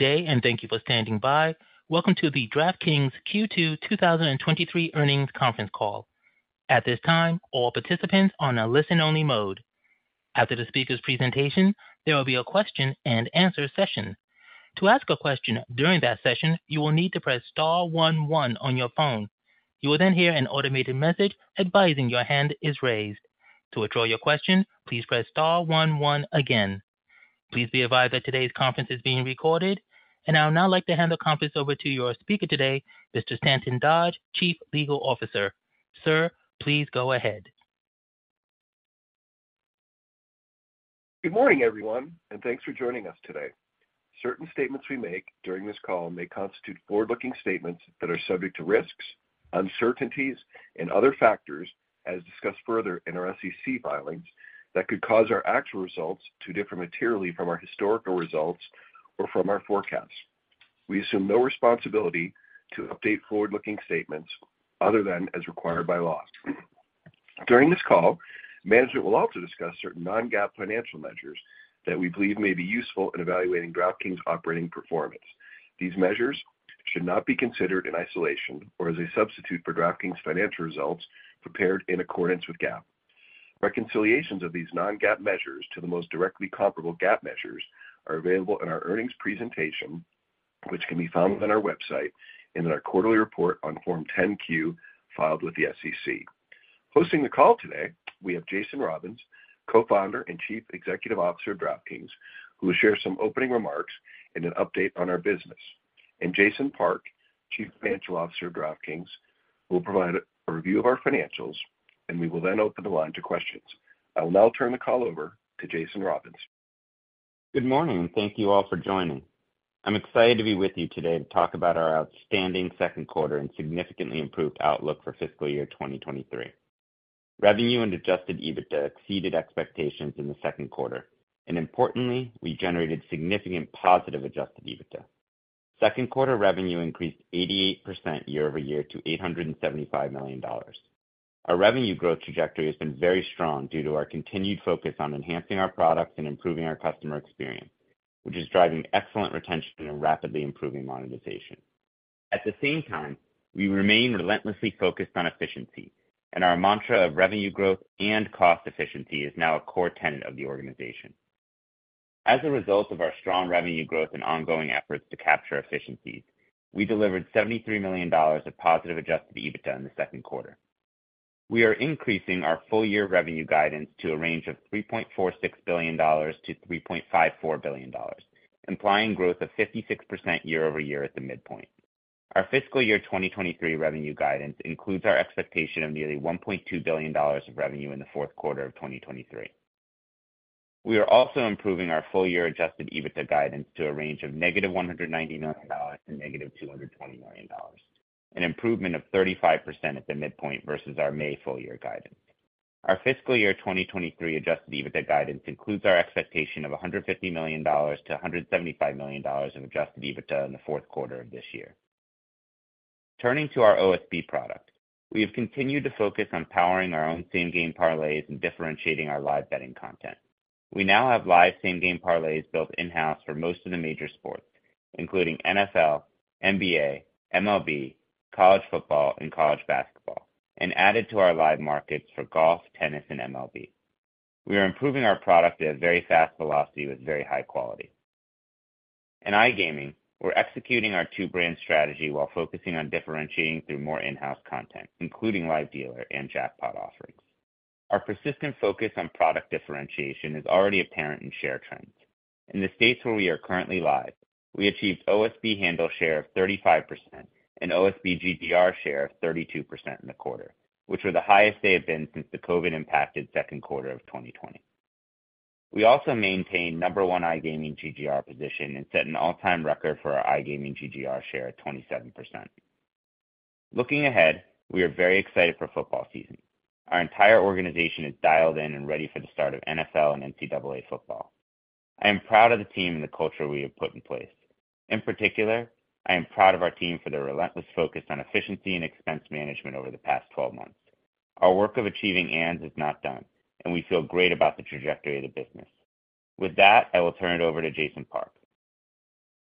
Good day, and thank you for standing by. Welcome to the DraftKings Q2 2023 earnings conference call. At this time, all participants are on a listen-only mode. After the speaker's presentation, there will be a question-and-answer session. To ask a question during that session, you will need to press star one one on your phone. You will then hear an automated message advising your hand is raised. To withdraw your question, please press star one one again. Please be advised that today's conference is being recorded. I would now like to hand the conference over to your speaker today, Mr. Stanton Dodge, Chief Legal Officer. Sir, please go ahead. Good morning, everyone, and thanks for joining us today. Certain statements we make during this call may constitute forward-looking statements that are subject to risks, uncertainties, and other factors, as discussed further in our SEC filings, that could cause our actual results to differ materially from our historical results or from our forecasts. We assume no responsibility to update forward-looking statements other than as required by law. During this call, management will also discuss certain non-GAAP financial measures that we believe may be useful in evaluating DraftKings' operating performance. These measures should not be considered in isolation or as a substitute for DraftKings' financial results prepared in accordance with GAAP. Reconciliations of these non-GAAP measures to the most directly comparable GAAP measures are available in our earnings presentation, which can be found on our website and in our quarterly report on Form 10-Q, filed with the SEC. Hosting the call today, we have Jason Robins, Co-Founder and Chief Executive Officer of DraftKings, who will share some opening remarks and an update on our business. Jason Park, Chief Financial Officer of DraftKings, will provide a review of our financials. We will then open the line to questions. I will now turn the call over to Jason Robins. Good morning, and thank you all for joining. I'm excited to be with you today to talk about our outstanding Q2 and significantly improved outlook for fiscal year 2023. Revenue and adjusted EBITDA exceeded expectations in the Q2. Importantly, we generated significant positive adjusted EBITDA. Q2 revenue increased 88% year-over-year to $875 million. Our revenue growth trajectory has been very strong due to our continued focus on enhancing our products and improving our customer experience, which is driving excellent retention and rapidly improving monetization. At the same time, we remain relentlessly focused on efficiency. Our mantra of revenue growth and cost efficiency is now a core tenet of the organization. As a result of our strong revenue growth and ongoing efforts to capture efficiencies, we delivered $73 million of positive adjusted EBITDA in the Q2. We are increasing our full year revenue guidance to a range of $3.46 billion-$3.54 billion, implying growth of 56% year-over-year at the midpoint. Our fiscal year 2023 revenue guidance includes our expectation of nearly $1.2 billion of revenue in the Q4 of 2023. We are also improving our full year adjusted EBITDA guidance to a range of -$190 million to -$220 million, an improvement of 35% at the midpoint versus our May full year guidance. Our fiscal year 2023 adjusted EBITDA guidance includes our expectation of $150 million-$175 million in adjusted EBITDA in the Q4 of this year. Turning to our OSB product, we have continued to focus on powering our own Same-Game Parlays and differentiating our live betting content. We now have live Same-Game Parlays built in-house for most of the major sports, including NFL, NBA, MLB, college football, and college basketball, and added to our live markets for golf, tennis, and MLB. We are improving our product at a very fast velocity with very high quality. In iGaming, we're executing our two-brand strategy while focusing on differentiating through more in-house content, including live dealer and jackpot offerings. Our persistent focus on product differentiation is already apparent in share trends. In the states where we are currently live, we achieved OSB handle share of 35% and OSB GGR share of 32% in the quarter, which were the highest they have been since the COVID-impacted Q2 of 2020. We also maintained number one iGaming GGR position and set an all-time record for our iGaming GGR share at 27%. Looking ahead, we are very excited for football season. Our entire organization is dialed in and ready for the start of NFL and NCAA football. I am proud of the team and the culture we have put in place. In particular, I am proud of our team for their relentless focus on efficiency and expense management over the past 12 months. Our work of achieving and is not done. We feel great about the trajectory of the business. With that, I will turn it over to Jason Park.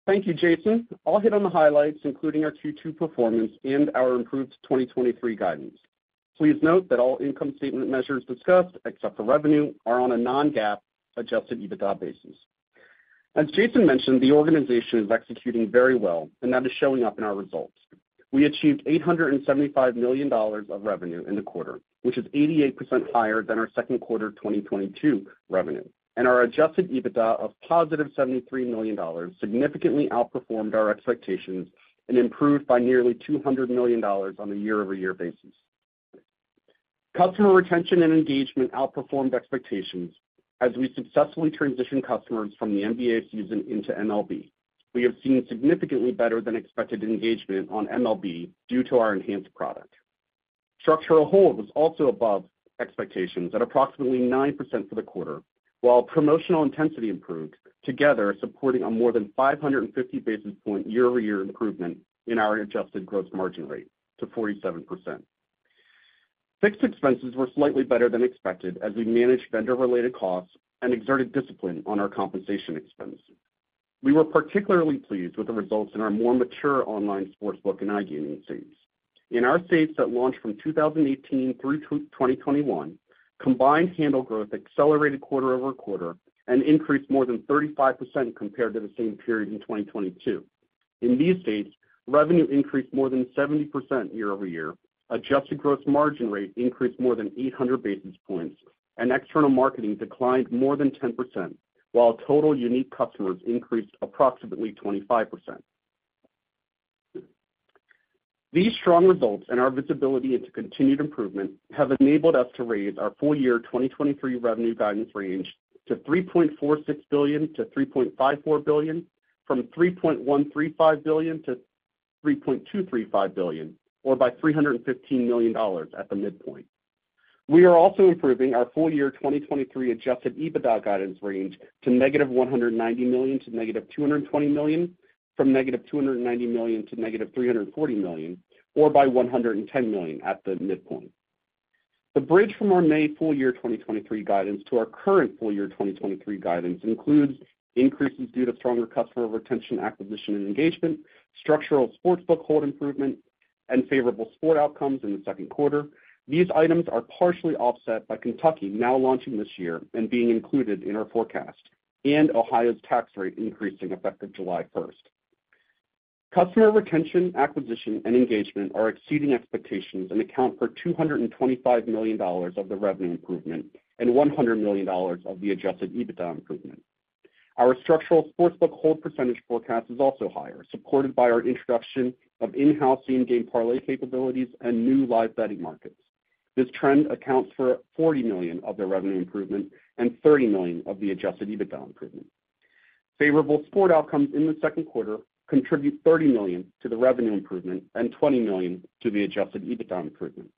Thank you, Jason. I'll hit on the highlights, including our Q2 performance and our improved 2023 guidance. Please note that all income statement measures discussed, except for revenue, are on a non-GAAP adjusted EBITDA basis. As Jason mentioned, the organization is executing very well, that is showing up in our results. We achieved $875 million of revenue in the quarter, which is 88% higher than our Q2 2022 revenue, our adjusted EBITDA of positive $73 million significantly outperformed our expectations and improved by nearly $200 million on a year-over-year basis. Customer retention and engagement outperformed expectations as we successfully transitioned customers from the NBA season into MLB. We have seen significantly better than expected engagement on MLB due to our enhanced product. Structural Hold was also above expectations at approximately 9% for the quarter, while promotional intensity improved, together supporting a more than 550 basis points year-over-year improvement in our adjusted gross margin rate to 47%. Fixed expenses were slightly better than expected as we managed vendor-related costs and exerted discipline on our compensation expenses. We were particularly pleased with the results in our more mature Online Sportsbook and iGaming states. In our states that launched from 2018 through 2021, combined handle growth accelerated quarter-over-quarter and increased more than 35% compared to the same period in 2022. In these states, revenue increased more than 70% year-over-year. Adjusted gross margin rate increased more than 800 basis points, and external marketing declined more than 10%, while total unique customers increased approximately 25%. These strong results and our visibility into continued improvement have enabled us to raise our full year 2023 revenue guidance range to $3.46 billion-$3.54 billion, from $3.135 billion-$3.235 billion, or by $315 million at the midpoint. We are also improving our full year 2023 adjusted EBITDA guidance range to -$190 million to -$220 million, from -$290 million to -$340 million, or by $110 million at the midpoint. The bridge from our May full year 2023 guidance to our current full year 2023 guidance includes increases due to stronger customer retention, acquisition, and engagement, structural sportsbook hold improvement, and favorable sport outcomes in the Q2. These items are partially offset by Kentucky now launching this year and being included in our forecast, and Ohio's tax rate increasing effective July first. Customer retention, acquisition, and engagement are exceeding expectations and account for $225 million of the revenue improvement and $100 million of the adjusted EBITDA improvement. Our structural sportsbook hold percentage forecast is also higher, supported by our introduction of in-house same-game parlay capabilities and new live betting markets. This trend accounts for $40 million of the revenue improvement and $30 million of the adjusted EBITDA improvement. Favorable sport outcomes in the Q2 contribute $30 million to the revenue improvement and $20 million to the adjusted EBITDA improvement.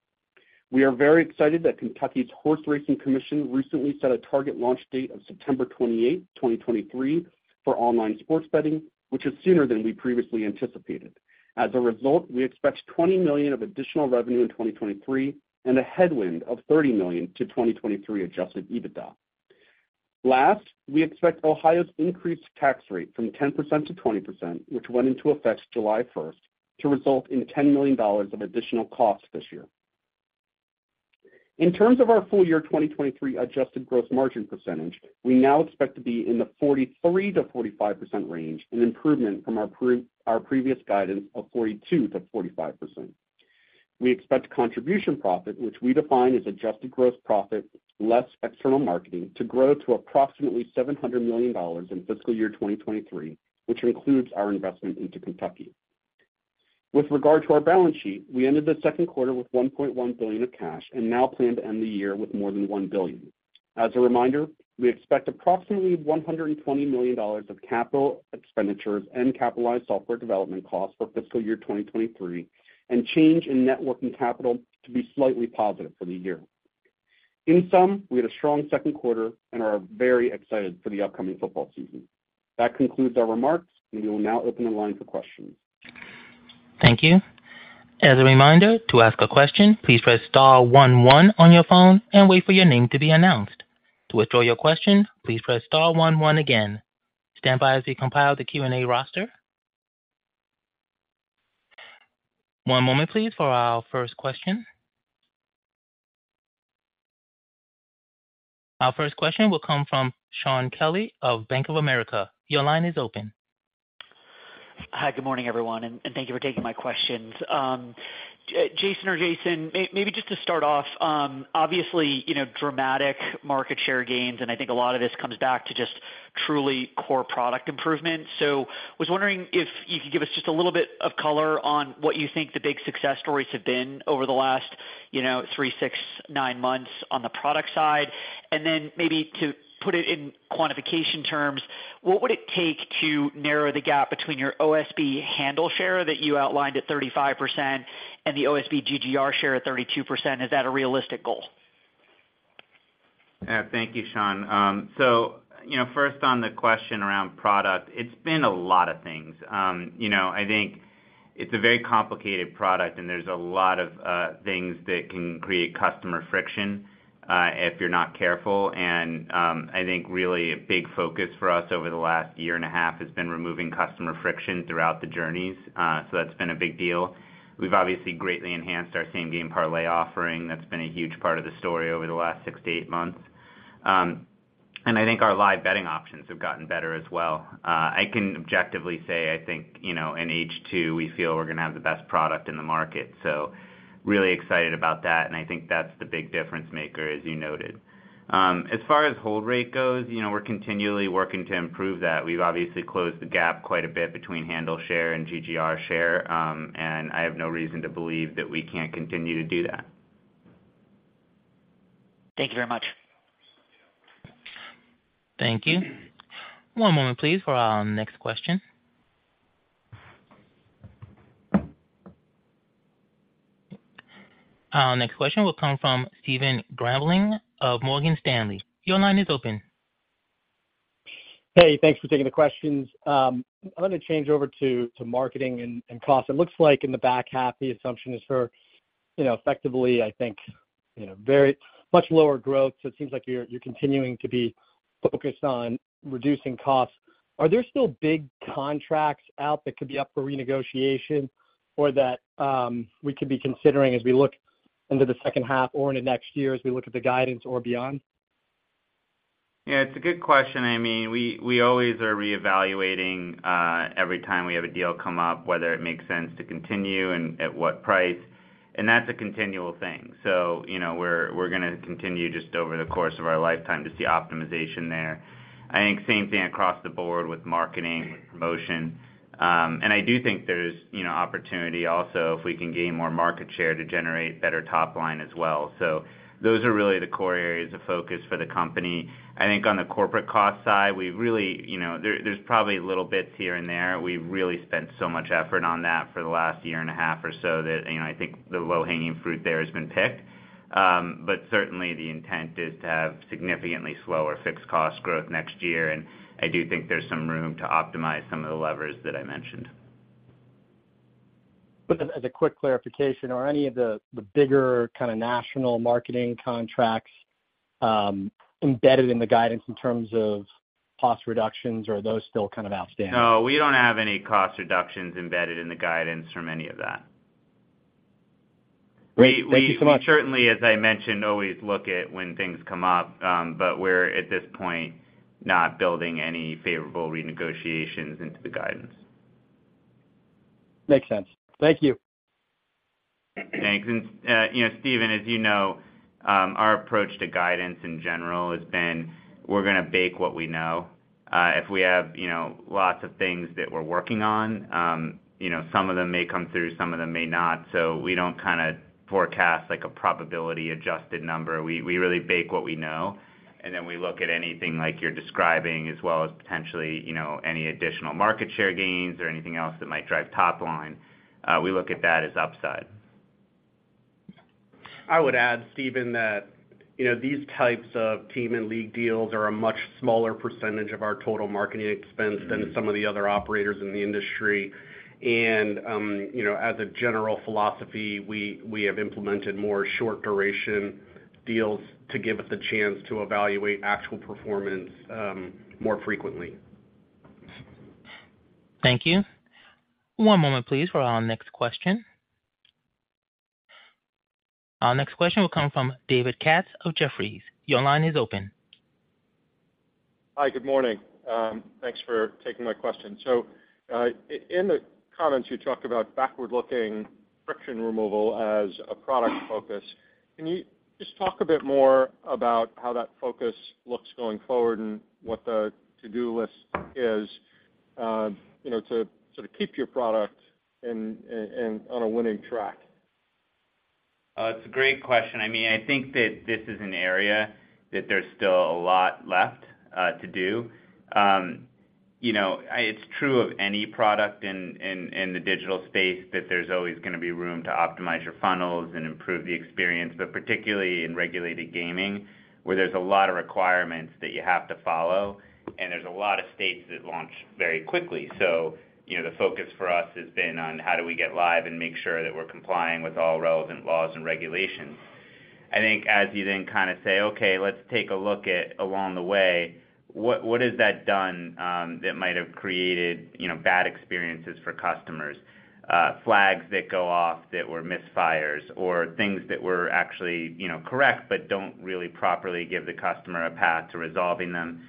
We are very excited that Kentucky Horse Racing Commission recently set a target launch date of September 28, 2023, for online sports betting, which is sooner than we previously anticipated. As a result, we expect $20 million of additional revenue in 2023 and a headwind of $30 million to 2023 adjusted EBITDA. We expect Ohio's increased tax rate from 10% to 20%, which went into effect July first, to result in $10 million of additional costs this year. In terms of our full year 2023 adjusted gross margin percentage, we now expect to be in the 43%-45% range, an improvement from our previous guidance of 42%-45%. We expect Contribution Profit, which we define as adjusted gross profit less external marketing, to grow to approximately $700 million in fiscal year 2023, which includes our investment into Kentucky. With regard to our balance sheet, we ended the Q2 with $1.1 billion of cash and now plan to end the year with more than $1 billion. As a reminder, we expect approximately $120 million of capital expenditures and capitalized software development costs for fiscal year 2023, and change in net working capital to be slightly positive for the year. In sum, we had a strong Q2 and are very excited for the upcoming football season. That concludes our remarks, and we will now open the line for questions. Thank you. As a reminder, to ask a question, please press star one, one on your phone and wait for your name to be announced. To withdraw your question, please press star one, one again. Stand by as we compile the Q&A roster. One moment please for our first question. Our first question will come from Shaun Kelley of Bank of America. Your line is open. Hi, good morning, everyone, and thank you for taking my questions. Jason or Jason, maybe just to start off, obviously, you know, dramatic market share gains, and I think a lot of this comes back to just truly core product improvement. I was wondering if you could give us just a little bit of color on what you think the big success stories have been over the last, you know, three, six, nine months on the product side. Maybe to put it in quantification terms, what would it take to narrow the gap between your OSB handle share that you outlined at 35% and the OSB GGR share at 32%? Is that a realistic goal? Thank you, Shaun. You know, first on the question around product, it's been a lot of things. You know, I think it's a very complicated product, and there's a lot of things that can create customer friction if you're not careful. I think really a big focus for us over the last year and a half has been removing customer friction throughout the journeys. That's been a big deal. We've obviously greatly enhanced our same-game parlay offering. That's been a huge part of the story over the last six to eight months. I think our live betting options have gotten better as well. I can objectively say I think, you know, in H2, we feel we're gonna have the best product in the market. Really excited about that, and I think that's the big difference maker, as you noted. As far as hold rate goes, you know, we're continually working to improve that. We've obviously closed the gap quite a bit between handle share and GGR share, I have no reason to believe that we can't continue to do that. Thank you very much. Thank you. One moment, please, for our next question. Our next question will come from Stephen Grambling of Morgan Stanley. Your line is open. Hey, thanks for taking the questions. I'm gonna change over to, to marketing and, and cost. It looks like in the back half, the assumption is for, you know, effectively, I think, you know, very much lower growth. It seems like you're, you're continuing to be focused on reducing costs. Are there still big contracts out that could be up for renegotiation or that we could be considering as we look into the second half or into next year, as we look at the guidance or beyond? Yeah, it's a good question. I mean, we, we always are reevaluating every time we have a deal come up, whether it makes sense to continue and at what price, and that's a continual thing. You know, we're, we're gonna continue just over the course of our lifetime to see optimization there. I think same thing across the board with marketing, with promotion. I do think there's, you know, opportunity also, if we can gain more market share, to generate better top line as well. Those are really the core areas of focus for the company. I think on the corporate cost side, we really, you know, there, there's probably little bits here and there. We've really spent so much effort on that for the last year and a half or so that, you know, I think the low-hanging fruit there has been picked. Certainly, the intent is to have significantly slower fixed cost growth next year, and I do think there's some room to optimize some of the levers that I mentioned. As, as a quick clarification, are any of the, the bigger kind of national marketing contracts, embedded in the guidance in terms of cost reductions, or are those still kind of outstanding? No, we don't have any cost reductions embedded in the guidance from any of that. Great. Thank you so much. We certainly, as I mentioned, always look at when things come up, but we're, at this point, not building any favorable renegotiations into the guidance. Makes sense. Thank you. Thanks. You know, Steven, as you know, our approach to guidance in general has been, we're gonna bake what we know. If we have, you know, lots of things that we're working on, you know, some of them may come through, some of them may not, so we don't kind of forecast like a probability-adjusted number. We, we really bake what we know, and then we look at anything like you're describing, as well as potentially, you know, any additional market share gains or anything else that might drive top line. We look at that as upside. I would add, Stephen, that, you know, these types of team and league deals are a much smaller % of our total marketing expense than some of the other operators in the industry. You know, as a general philosophy, we, we have implemented more short-duration deals to give us the chance to evaluate actual performance, more frequently. Thank you. One moment, please, for our next question. Our next question will come from David Katz of Jefferies. Your line is open. Hi, good morning. Thanks for taking my question. In the comments, you talked about backward-looking friction removal as a product focus. Can you just talk a bit more about how that focus looks going forward and what the to-do list is, you know, to sort of keep your product in, in, on a winning track? It's a great question. I mean, I think that this is an area that there's still a lot left to do. You know, I- it's true of any product in, in, in the digital space, that there's always gonna be room to optimize your funnels and improve the experience, but particularly in regulated gaming, where there's a lot of requirements that you have to follow, and there's a lot of states that launch very quickly. You know, the focus for us has been on how do we get live and make sure that we're complying with all relevant laws and regulations. I think as you then kind of say, "Okay, let's take a look at, along the way, what, what has that done that might have created, you know, bad experiences for customers? Flags that go off that were misfires or things that were actually, you know, correct, but don't really properly give the customer a path to resolving them,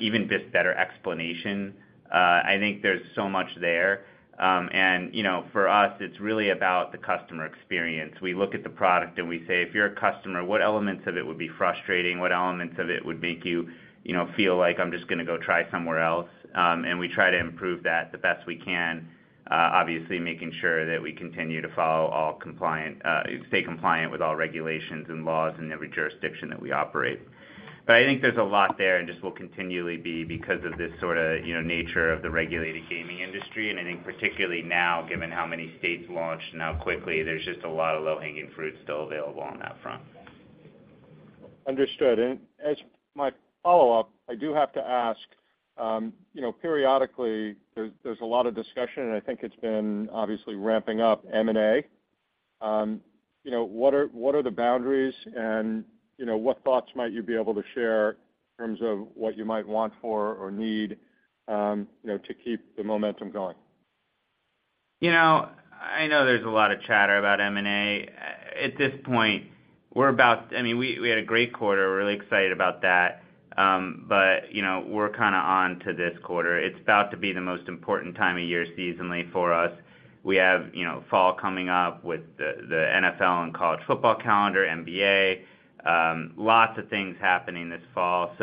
even just better explanation, I think there's so much there. You know, for us, it's really about the customer experience. We look at the product and we say: If you're a customer, what elements of it would be frustrating? What elements of it would make you, you know, feel like I'm just gonna go try somewhere else? We try to improve that the best we can, obviously, making sure that we continue to follow all compliant, stay compliant with all regulations and laws in every jurisdiction that we operate. I think there's a lot there and just will continually be because of this sort of, you know, nature of the regulated gaming industry. I think particularly now, given how many states launched and how quickly, there's just a lot of low-hanging fruit still available on that front. Understood. As my follow-up, I do have to ask, you know, periodically there's, there's a lot of discussion, and I think it's been obviously ramping up M&A. You know, what are, what are the boundaries and, you know, what thoughts might you be able to share in terms of what you might want for or need, you know, to keep the momentum going? You know, I know there's a lot of chatter about M&A. At this point, I mean, we, we had a great quarter. We're really excited about that. But, you know, we're kind of on to this quarter. It's about to be the most important time of year seasonally for us. We have, you know, fall coming up with the, the NFL and college football calendar, NBA. Lots of things happening this fall.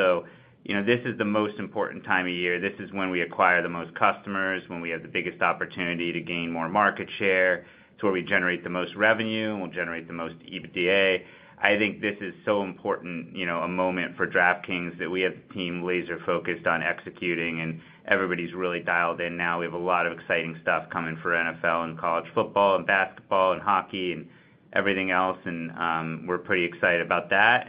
This is the most important time of year. This is when we acquire the most customers, when we have the biggest opportunity to gain more market share. It's where we generate the most revenue, and we'll generate the most EBITDA. I think this is so important, you know, a moment for DraftKings, that we have the team laser-focused on executing, and everybody's really dialed in now. We have a lot of exciting stuff coming for NFL and college football and basketball and hockey and everything else, and we're pretty excited about that.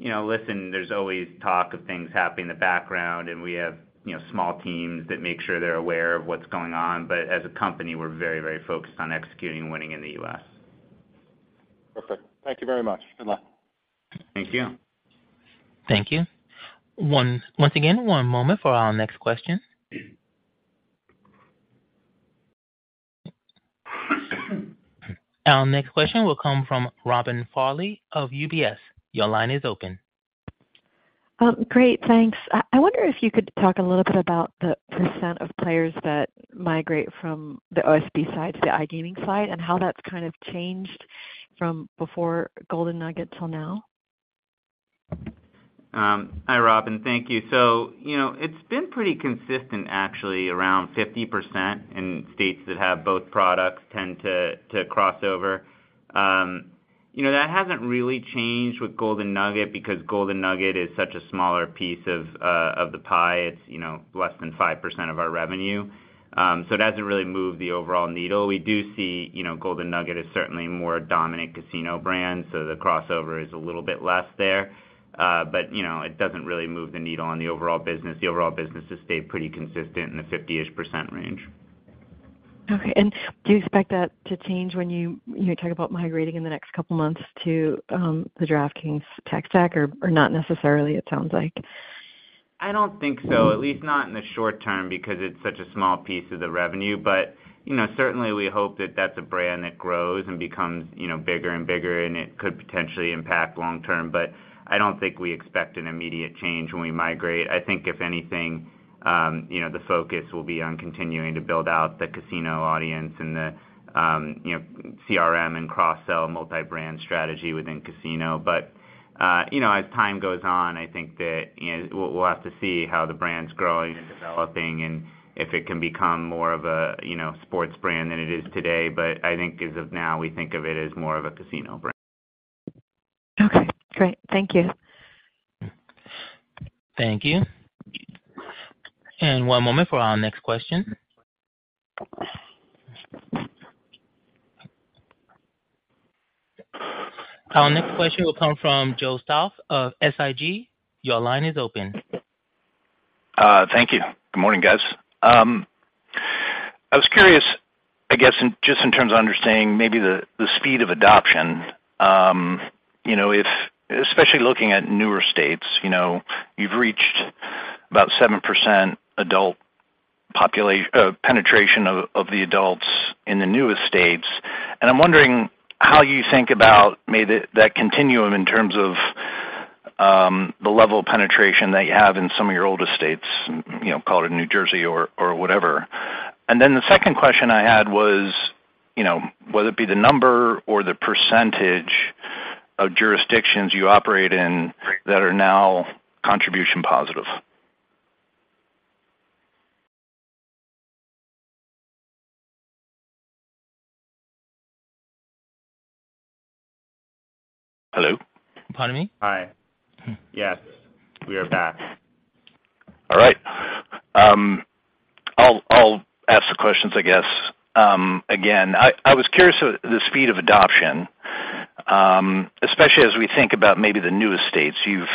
You know, listen, there's always talk of things happening in the background, and we have, you know, small teams that make sure they're aware of what's going on. As a company, we're very, very focused on executing and winning in the US. Perfect. Thank you very much. Good luck. Thank you. Thank you. once again, one moment for our next question. Our next question will come from Robin Farley of UBS. Your line is open. Great, thanks. I wonder if you could talk a little bit about the percent of players that migrate from the OSB side to the iGaming side, and how that's kind of changed from before Golden Nugget till now? Hi, Robin. Thank you. You know, it's been pretty consistent, actually, around 50% in states that have both products tend to cross over. You know, that hasn't really changed with Golden Nugget because Golden Nugget is such a smaller piece of the pie. It's, you know, less than 5% of our revenue. It hasn't really moved the overall needle. We do see, you know, Golden Nugget is certainly a more dominant casino brand, so the crossover is a little bit less there. You know, it doesn't really move the needle on the overall business. The overall business has stayed pretty consistent in the 50%-ish range. Okay, and do you expect that to change when you, you talk about migrating in the next couple months to, the DraftKings tech stack, or, or not necessarily, it sounds like? I don't think so, at least not in the short term, because it's such a small piece of the revenue. You know, certainly we hope that that's a brand that grows and becomes, you know, bigger and bigger, and it could potentially impact long term. I don't think we expect an immediate change when we migrate. I think, if anything, you know, the focus will be on continuing to build out the casino audience and the, you know, CRM and cross-sell multi-brand strategy within casino. You know, as time goes on, I think that, you know, we'll, we'll have to see how the brand's growing and developing and if it can become more of a, you know, sports brand than it is today. I think as of now, we think of it as more of a casino brand. Okay, great. Thank you. Thank you. One moment for our next question. Our next question will come from Joe Stauff of SIG. Your line is open. Thank you. Good morning, guys. I was curious, I guess, in, just in terms of understanding maybe the speed of adoption. You know, if... Especially looking at newer states, you know, you've reached about 7% adult penetration of the adults in the newest states. I'm wondering how you think about maybe that continuum in terms of the level of penetration that you have in some of your oldest states, you know, call it in New Jersey or whatever. The second question I had was, you know, whether it be the number or the percentage of jurisdictions you operate in that are now contribution positive? Hello? Pardon me? Hi. Yes, we are back. All right. I'll, I'll ask the questions, I guess. Again, I, I was curious of the speed of adoption, especially as we think about maybe the newest states. You've,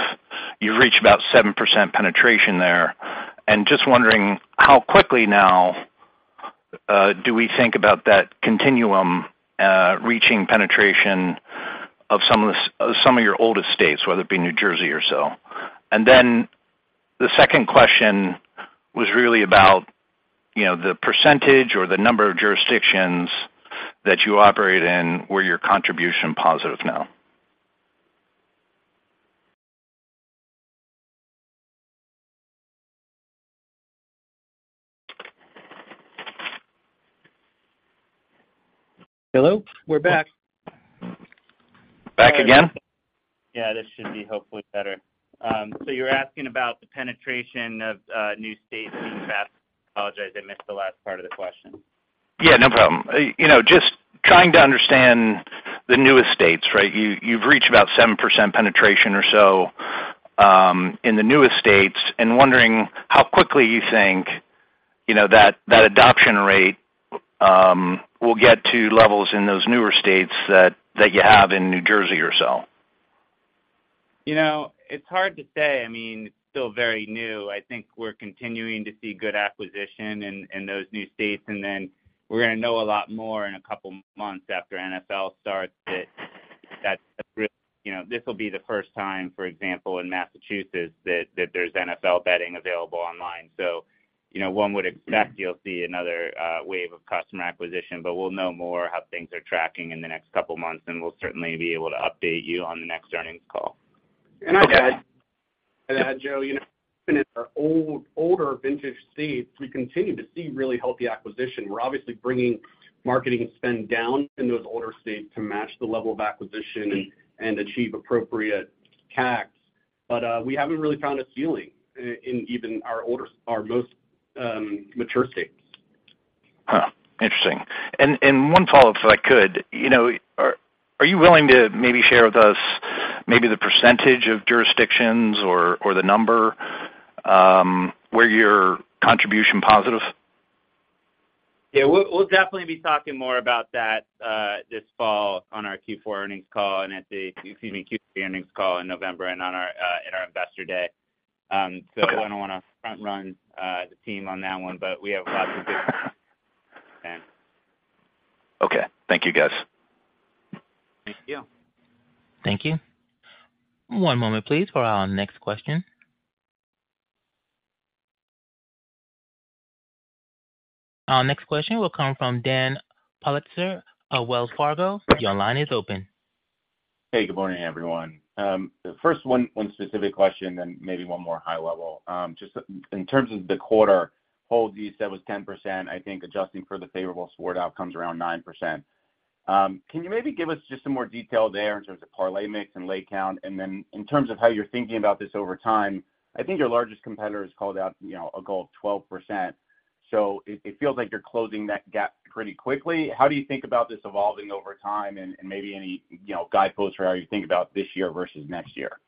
you've reached about 7% penetration there, and just wondering how quickly now, do we think about that continuum, reaching penetration of some of the some of your oldest states, whether it be New Jersey or so? Then the second question was really about, you know, the percentage or the number of jurisdictions that you operate in, where you're contribution positive now. Hello? We're back. Back again. Yeah, this should be hopefully better. You're asking about the penetration of new states being fast? I apologize, I missed the last part of the question. Yeah, no problem. You know, just trying to understand the newest states, right? You, you've reached about 7% penetration or so, in the newest states, and wondering how quickly you think, you know, that, that adoption rate, will get to levels in those newer states that, that you have in New Jersey or so. You know, it's hard to say. I mean, it's still very new. I think we're continuing to see good acquisition in, in those new states. Then we're gonna know a lot more in a couple months after NFL starts that, that, you know, this will be the first time, for example, in Massachusetts, that, that there's NFL betting available online. You know, one would expect you'll see another wave of customer acquisition, but we'll know more how things are tracking in the next couple of months, and we'll certainly be able to update you on the next earnings call. I'd add, and add, Joe, you know, in our old, older vintage states, we continue to see really healthy acquisition. We're obviously bringing marketing spend down in those older states to match the level of acquisition and, and achieve appropriate tax. We haven't really found a ceiling in even our most mature states. Huh, interesting. One follow-up, if I could, you know, are, are you willing to maybe share with us maybe the percentage of jurisdictions or, or the number, where you're contribution positive? Yeah, we'll, we'll definitely be talking more about that, this fall on our Q4 earnings call and at the, excuse me, Q3 earnings call in November and on our, in our investor day. I don't want to front run the team on that one, but we have lots of Okay. Thank you, guys. Thank you. Thank you. One moment, please, for our next question. Our next question will come from Dan Politzer of Wells Fargo. Your line is open. Hey, good morning, everyone. The first one, one specific question, then maybe one more high level. Just in terms of the quarter hold, you said was 10%. I think adjusting for the favorable sport outcomes, around 9%. Can you maybe give us just some more detail there in terms of parlay mix and leg count? In terms of how you're thinking about this over time, I think your largest competitor has called out, you know, a goal of 12%. It, it feels like you're closing that gap pretty quickly. How do you think about this evolving over time and, and maybe any, you know, guideposts for how you think about this year versus next year?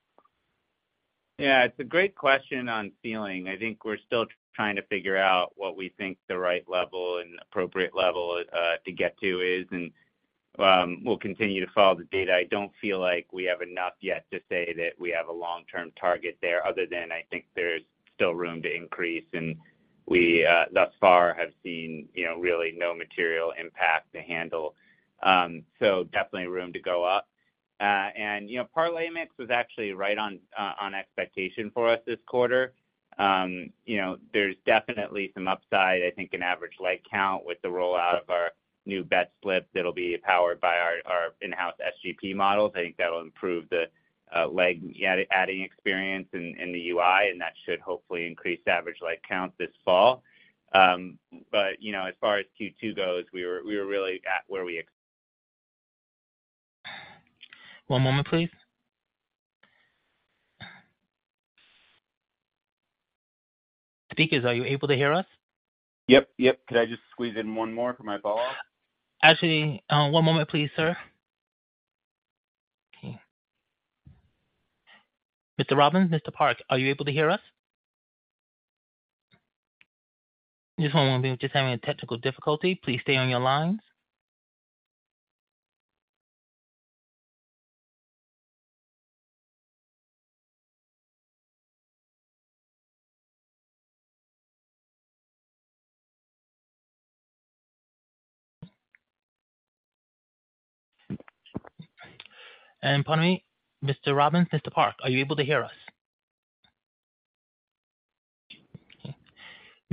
Yeah, it's a great question on ceiling. I think we're still trying to figure out what we think the right level and appropriate level to get to is and we'll continue to follow the data. I don't feel like we have enough yet to say that we have a long-term target there, other than I think there's still room to increase, and we, thus far have seen, you know, really no material impact to handle. Definitely room to go up. You know, parlay mix was actually right on expectation for us this quarter. You know, there's definitely some upside. I think an average leg count with the rollout of our new bet slips, that'll be powered by our in-house SGP models. I think that will improve the leg adding experience in, in the UI, and that should hopefully increase the average leg count this fall. You know, as far as Q2 goes, we were, we were really at where we One moment, please. Speakers, are you able to hear us? Yep. Yep. Could I just squeeze in 1 more for my follow-up? Actually, one moment please, sir. Okay. Mr. Robins, Mr. Park, are you able to hear us? Just one moment. We're just having a technical difficulty. Please stay on your lines. Pardon me, Mr. Robins, Mr. Park, are you able to hear us? Okay.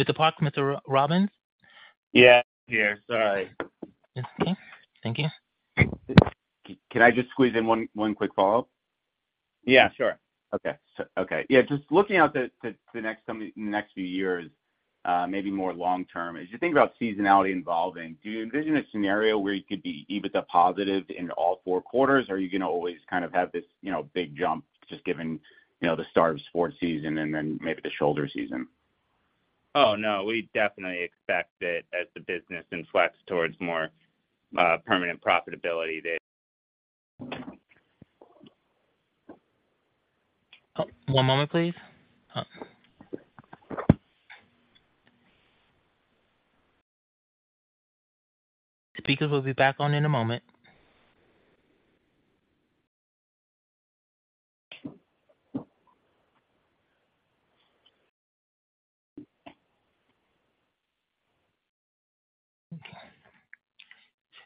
Mr. Park, Mr. Robins? Yeah, here. Sorry. Okay. Thank you. Can I just squeeze in one, one quick follow-up? Yeah, sure. Okay. Okay. Yeah, just looking out the, the, the next, the next few years, maybe more long term, as you think about seasonality involving, do you envision a scenario where you could be EBITDA positive in all four quarters? Are you going to always kind of have this, you know, big jump just given, you know, the start of sports season and then maybe the shoulder season? Oh, no, we definitely expect it as the business influx towards more, permanent profitability. One moment, please. Speakers will be back on in a moment.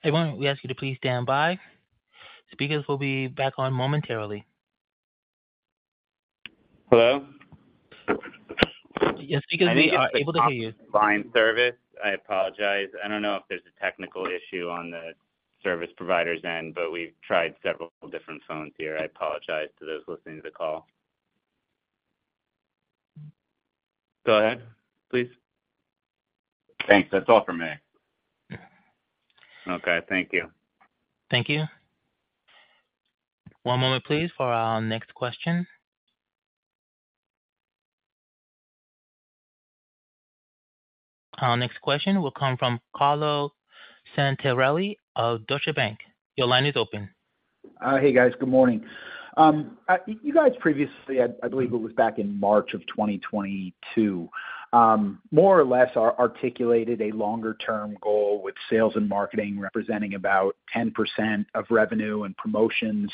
Everyone, we ask you to please stand by. Speakers will be back on momentarily. Hello? Yes, speakers, we are able to hear you. Line service. I apologize. I don't know if there's a technical issue on the service provider's end, but we've tried several different phones here. I apologize to those listening to the call. Go ahead, please. Thanks. That's all for me. Okay. Thank you. Thank you. One moment, please, for our next question. Our next question will come from Carlo Santarelli of Deutsche Bank. Your line is open. Hey, guys. Good morning. You guys previously, I, I believe it was back in March of 2022, more or less articulated a longer term goal with sales and marketing representing about 10% of revenue and promotions,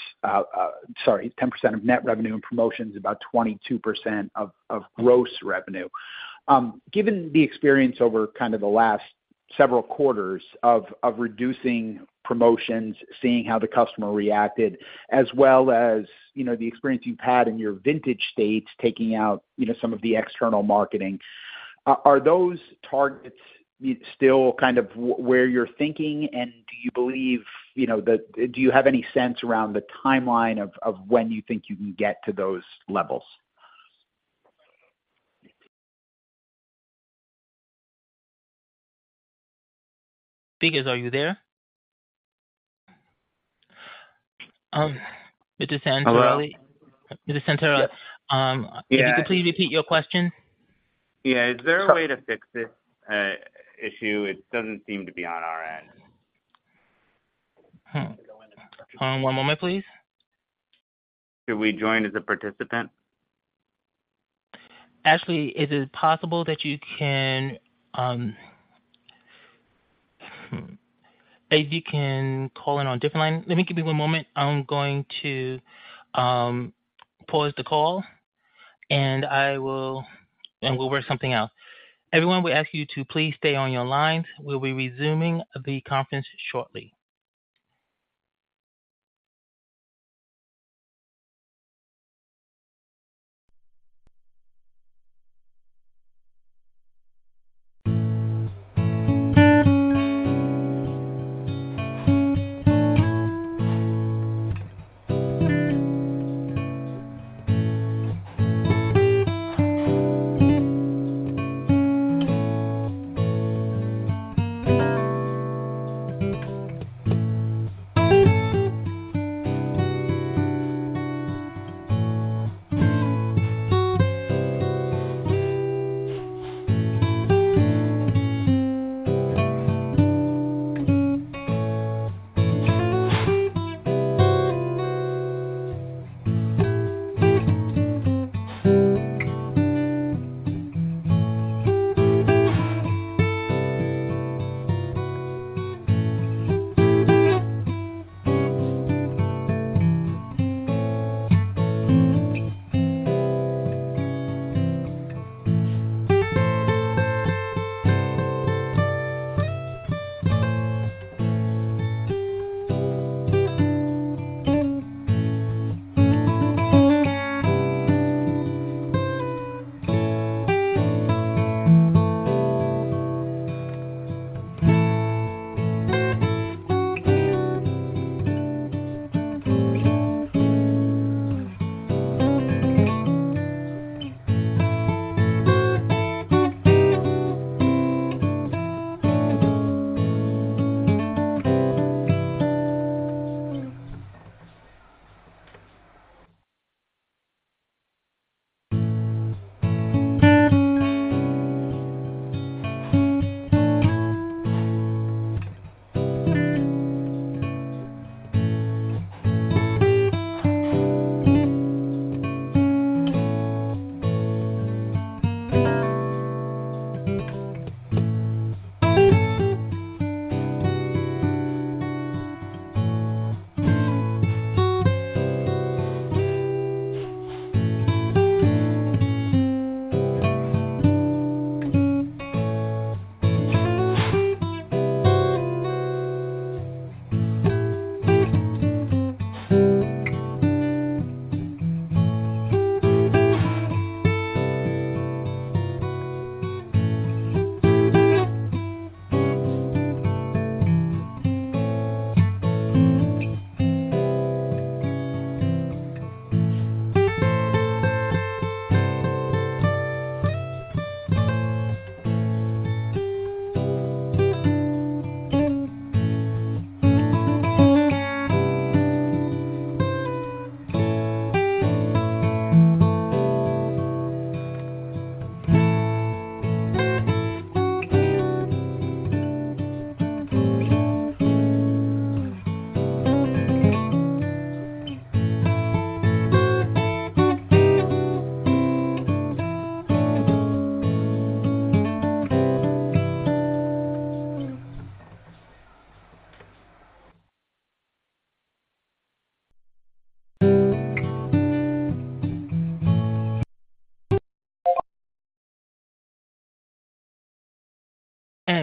sorry, 10% of net revenue and promotions, about 22% of gross revenue. Given the experience over kind of the last several quarters of reducing promotions, seeing how the customer reacted, as well as, you know, the experience you've had in your vintage states, taking out, you know, some of the external marketing, are those targets still kind of where you're thinking? Do you believe, you know, Do you have any sense around the timeline of when you think you can get to those levels? Speakers, are you there? Mr. Santarelli- Hello. Mr. Santarelli- Yeah. Could you please repeat your question? Yeah. Is there a way to fix this issue? It doesn't seem to be on our end. One moment, please. Should we join as a participant? Ashley, is it possible that you can, if you can call in on a different line? Let me give you one moment. I'm going to pause the call, and we'll work something out. Everyone, we ask you to please stay on your lines. We'll be resuming the conference shortly.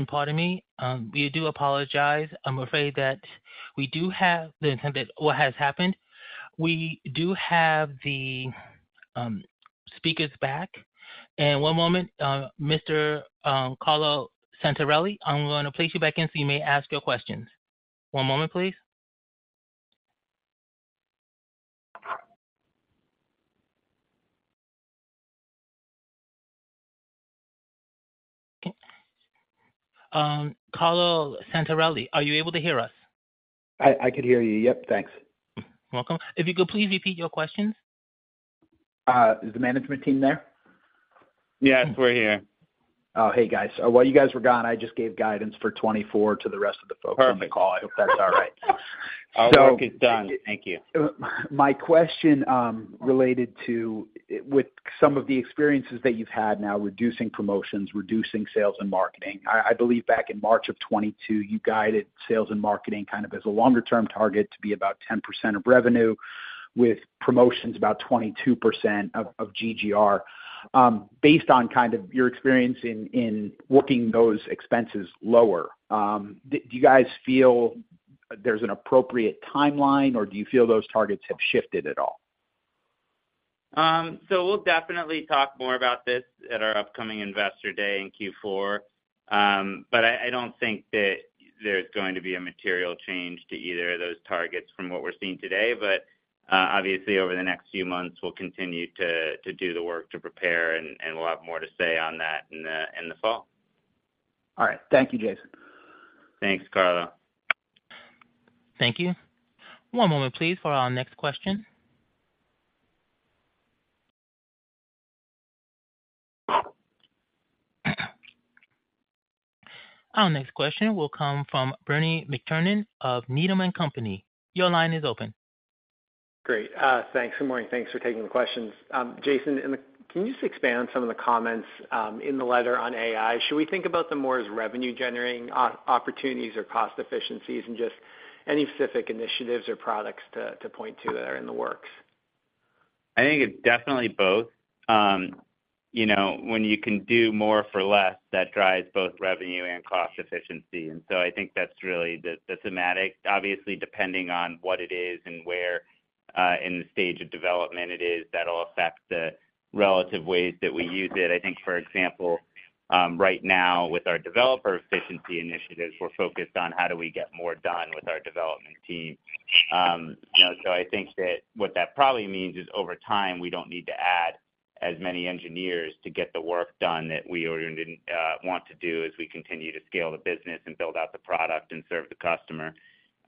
Pardon me. We do apologize. I'm afraid that we do have the intent that what has happened, we do have the speakers back. One moment, Mr. Carlo Santarelli, I'm going to place you back in, so you may ask your questions. One moment, please. Carlo Santarelli, are you able to hear us? I, I can hear you. Yep, thanks. Welcome. If you could please repeat your question. Is the management team there? Yes, we're here. Oh, hey, guys. While you guys were gone, I just gave guidance for 2024 to the rest of the folks on the call. Perfect. I hope that's all right. Our work is done. Thank you. My question, related to, with some of the experiences that you've had now, reducing promotions, reducing sales and marketing. I, I believe back in March of 2022, you guided sales and marketing kind of as a longer-term target to be about 10% of revenue, with promotions about 22% of, of GGR. Based on kind of your experience in, in working those expenses lower, do, do you guys feel there's an appropriate timeline, or do you feel those targets have shifted at all? We'll definitely talk more about this at our upcoming Investor Day in Q4. I, I don't think that there's going to be a material change to either of those targets from what we're seeing today. Obviously, over the next few months, we'll continue to, to do the work to prepare, and, and we'll have more to say on that in the, in the fall. All right. Thank you, Jason. Thanks, Carlo. Thank you. One moment, please, for our next question. Our next question will come from Bernie McTernan of Needham and Company. Your line is open. Great. Thanks. Good morning. Thanks for taking the questions. Jason, can you just expand on some of the comments in the letter on AI? Should we think about them more as revenue-generating opportunities or cost efficiencies, and just any specific initiatives or products to point to that are in the works? I think it's definitely both. You know, when you can do more for less, that drives both revenue and cost efficiency, and so I think that's really the, the thematic. Obviously, depending on what it is and where, in the stage of development it is, that'll affect the relative ways that we use it. I think, for example, right now, with our developer efficiency initiatives, we're focused on how do we get more done with our development team. You know, I think that what that probably means is, over time, we don't need to add as many engineers to get the work done that we originally want to do as we continue to scale the business and build out the product and serve the customer.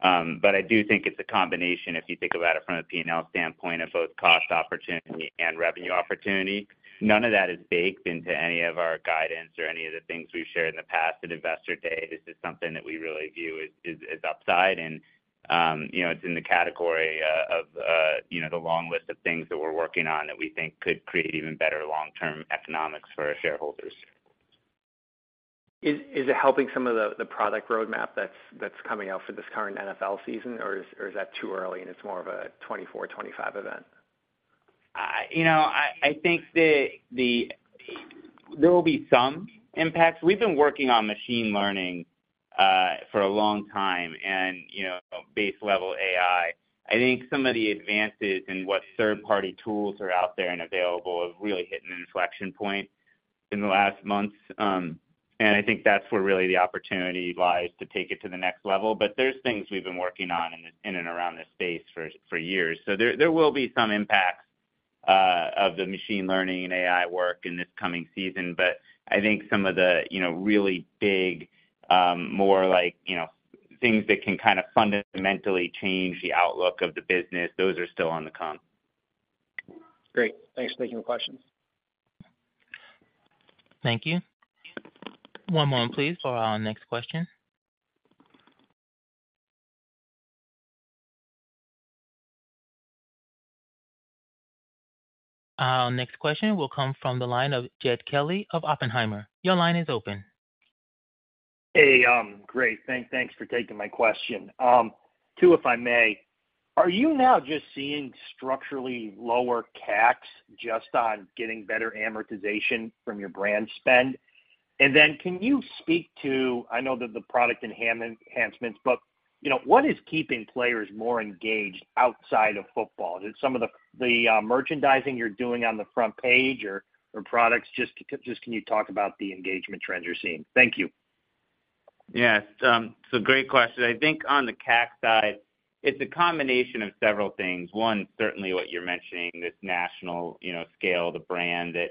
I do think it's a combination, if you think about it from a P&L standpoint, of both cost opportunity and revenue opportunity. None of that is baked into any of our guidance or any of the things we've shared in the past at Investor Day. This is something that we really view as, as, as upside and, you know, it's in the category of, you know, the long list of things that we're working on that we think could create even better long-term economics for our shareholders. Is it helping some of the product roadmap that's coming out for this current NFL season, or is that too early, and it's more of a 2024, 2025 event? You know, I, I think that the... There will be some impacts. We've been working on machine learning for a long time and, you know, base level AI. I think some of the advances in what third-party tools are out there and available have really hit an inflection point in the last months. I think that's where really the opportunity lies to take it to the next level. There's things we've been working on in and, in and around this space for, for years. There, there will be some impacts of the machine learning and AI work in this coming season. I think some of the, you know, really big, more like, you know, things that can kind of fundamentally change the outlook of the business, those are still on the come. Great. Thanks for taking the question. Thank you. One moment please, for our next question. Our next question will come from the line of Jed Kelly of Oppenheimer. Your line is open. Hey, great. Thanks for taking my question. Two, if I may: Are you now just seeing structurally lower CACs just on getting better amortization from your brand spend? Can you speak to, I know that the product enhancements, but, you know, what is keeping players more engaged outside of football? Is it some of the, the merchandising you're doing on the front page or products? Just, can you talk about the engagement trends you're seeing? Thank you. Yes, great question. I think on the CAC side, it's a combination of several things. One, certainly what you're mentioning, this national, you know, scale, the brand that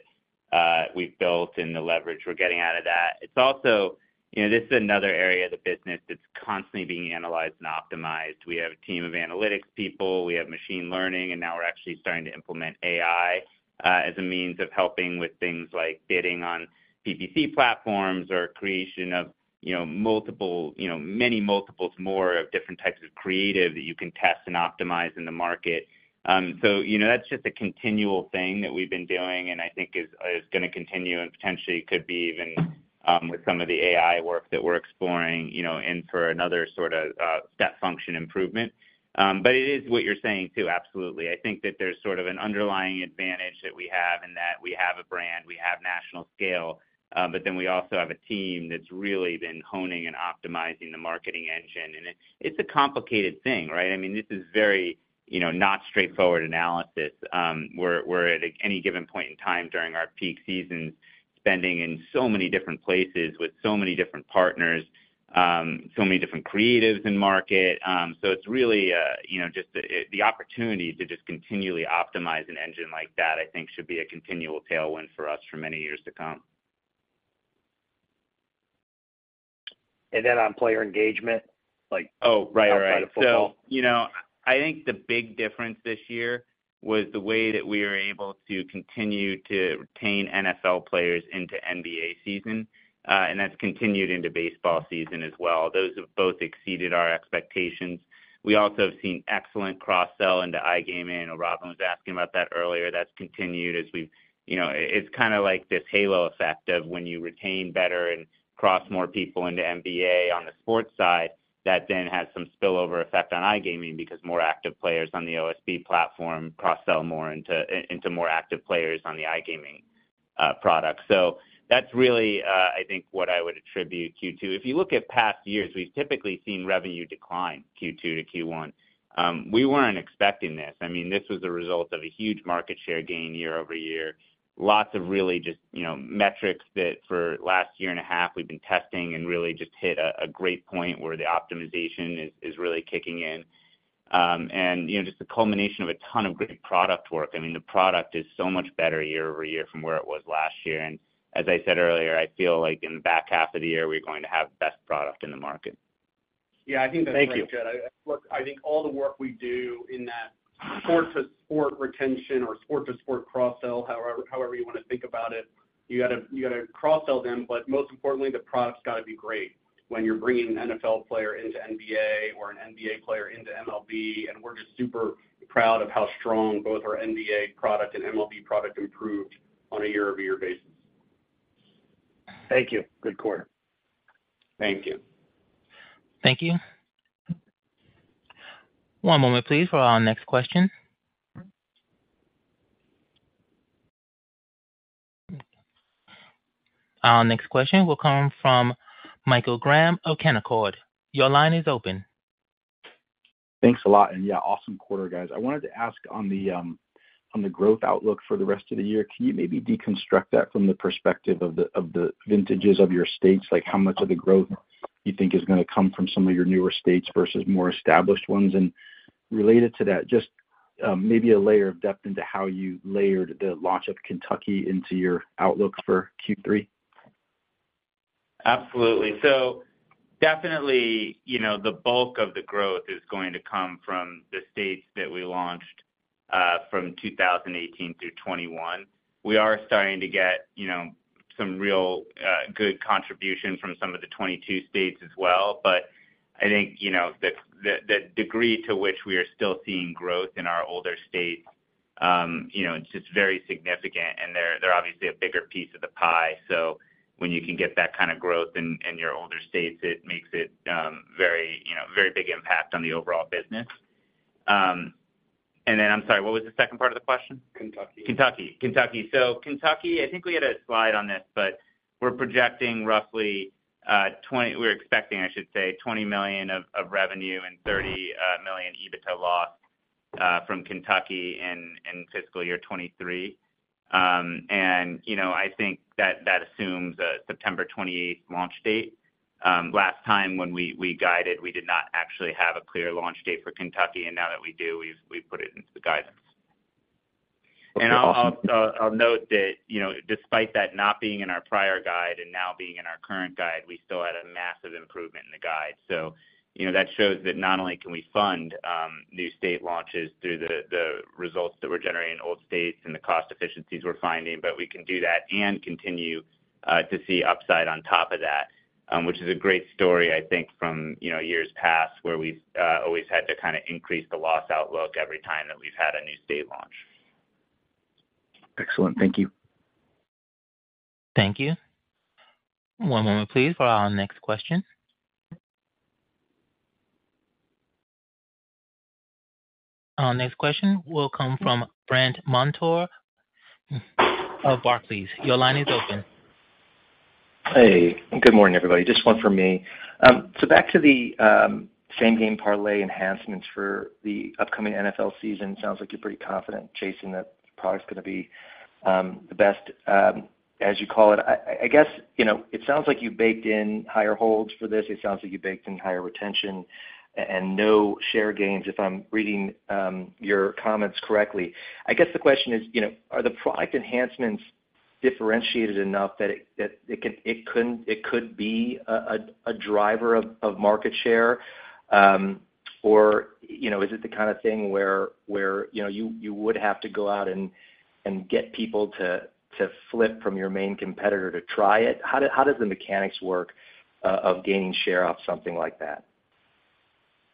we've built and the leverage we're getting out of that. It's also, you know, this is another area of the business that's constantly being analyzed and optimized. We have a team of analytics people, we have machine learning, and now we're actually starting to implement AI as a means of helping with things like bidding on PPC platforms or creation of, you know, multiple, you know, many multiples, more of different types of creative that you can test and optimize in the market. You know, that's just a continual thing that we've been doing, and I think is, is gonna continue and potentially could be even, with some of the AI work that we're exploring, you know, in for another sort of, step function improvement. It is what you're saying, too. Absolutely. I think that there's sort of an underlying advantage that we have in that we have a brand, we have national scale, but then we also have a team that's really been honing and optimizing the marketing engine. It, it's a complicated thing, right? I mean, this is very, you know, not straightforward analysis. We're, we're at any given point in time during our peak season, spending in so many different places with so many different partners, so many different creatives in market. It's really, you know, just the opportunity to just continually optimize an engine like that, I think, should be a continual tailwind for us for many years to come. Then on player engagement, like- Oh, right, right. Outside of football. You know, I think the big difference this year was the way that we were able to continue to retain NFL players into NBA season, and that's continued into baseball season as well. Those have both exceeded our expectations. We also have seen excellent cross-sell into iGaming. I know Robyn was asking about that earlier. That's continued as we've You know, it, it's kind of like this halo effect of when you retain better and cross more people into NBA on the sports side, that then has some spillover effect on iGaming, because more active players on the OSB platform cross-sell more into more active players on the iGaming product. That's really, I think what I would attribute Q2. If you look at past years, we've typically seen revenue decline Q2 to Q1. We weren't expecting this. I mean, this was the result of a huge market share gain year-over-year. Lots of really just, you know, metrics that for the last year and a half we've been testing and really just hit a, a great point where the optimization is, is really kicking in. You know, just the culmination of a ton of great product work. I mean, the product is so much better year-over-year from where it was last year, and as I said earlier, I feel like in the back half of the year, we're going to have the best product in the market. Yeah, I think that's right, Jed. Look, I think all the work we do in that sport to sport retention or sport to sport cross-sell, however you want to think about it, you got to cross-sell them, but most importantly, the product's got to be great when you're bringing an NFL player into NBA or an NBA player into MLB. We're just super proud of how strong both our NBA product and MLB product improved on a year-over-year basis. Thank you. Good quarter. Thank you. Thank you. One moment please, for our next question. Our next question will come from Michael Graham of Canaccord. Your line is open. Thanks a lot. Yeah, awesome quarter, guys. I wanted to ask on the on the growth outlook for the rest of the year, can you maybe deconstruct that from the perspective of the vintages of your states? Like, how much of the growth you think is going to come from some of your newer states versus more established ones? Related to that, just maybe a layer of depth into how you layered the launch of Kentucky into your outlook for Q3? Absolutely. Definitely, you know, the bulk of the growth is going to come from the states that we launched from 2018 through 21. We are starting to get, you know, some real good contribution from some of the 22 states as well. I think, you know, the, the, the degree to which we are still seeing growth in our older states, you know, it's just very significant and they're, they're obviously a bigger piece of the pie. When you can get that kind of growth in, in your older states, it makes it very, you know, very big impact on the overall business. I'm sorry, what was the second part of the question? Kentucky. Kentucky. Kentucky. Kentucky, I think we had a slide on this, but we're projecting roughly, We're expecting, I should say, $20 million of revenue and $30 million EBITDA loss from Kentucky in fiscal year 2023. You know, I think that that assumes a September 28 launch date. Last time when we, we guided, we did not actually have a clear launch date for Kentucky, and now that we do, we've put it into the guidance. Okay, awesome. I'll note that, you know, despite that not being in our prior guide and now being in our current guide, we still had a massive improvement in the guide. You know, that shows that not only can we fund new state launches through the results that we're generating in old states and the cost efficiencies we're finding, but we can do that and continue to see upside on top of that. Which is a great story, I think, from, you know, years past, where we've always had to kind of increase the loss outlook every time that we've had a new state launch. Excellent. Thank you. Thank you. One moment, please, for our next question. Our next question will come from Brandt Montour of Barclays. Your line is open. Hey, good morning, everybody. Just one from me. Back to the same-game parlay enhancements for the upcoming NFL season, sounds like you're pretty confident, Jason, that the product's going to be the best as you call it. I guess, you know, it sounds like you baked in higher holds for this. It sounds like you baked in higher retention and no share gains, if I'm reading your comments correctly. I guess the question is, you know, are the product enhancements differentiated enough that it could be a driver of market share? Or, you know, is it the kind of thing where, you know, you would have to go out and get people to flip from your main competitor to try it? How does the mechanics work, of gaining share off something like that?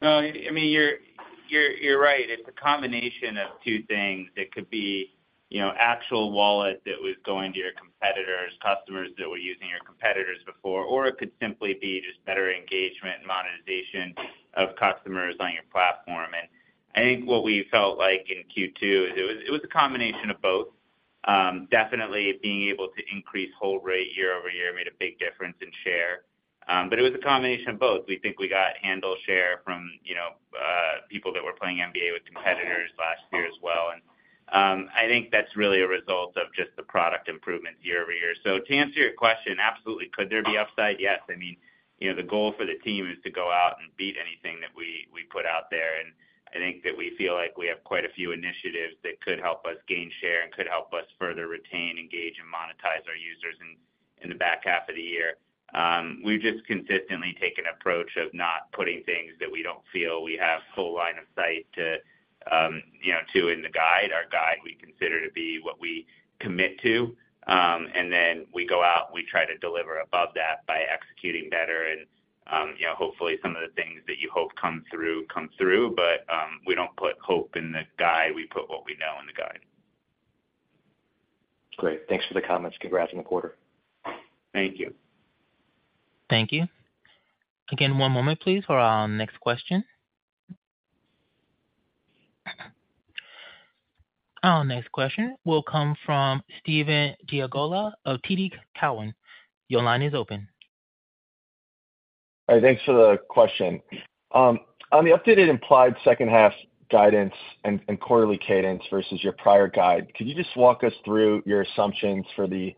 No, I mean, you're right. It's a combination of two things. It could be, you know, actual wallet that was going to your competitors, customers that were using your competitors before, or it could simply be just better engagement and monetization of customers on your platform. I think what we felt like in Q2 is it was a combination of both. Definitely being able to increase hold rate year-over-year made a big difference in share. It was a combination of both. We think we got handle share from, you know, people that were playing NBA with competitors last year as well. I think that's really a result of just the product improvement year-over-year. To answer your question, absolutely. Could there be upside? Yes. I mean, you know, the goal for the team is to go out and beat anything that we, we put out there. I think that we feel like we have quite a few initiatives that could help us gain share and could help us further retain, engage, and monetize our users in, in the back half of the year. We've just consistently taken an approach of not putting things that we don't feel we have full line of sight to, you know, to in the guide. Our guide, we consider to be what we commit to, and then we go out and we try to deliver above that by executing better and, you know, hopefully some of the things that you hope come through, come through. We don't put hope in the guide. We put what we know in the guide. Great. Thanks for the comments. Congrats on the quarter. Thank you. Thank you. Again, one moment please, for our next question. Our next question will come from Steven Grambling of Morgan Stanley. Your line is open. Hi, thanks for the question. On the updated implied second half guidance and quarterly cadence versus your prior guide, could you just walk us through your assumptions for the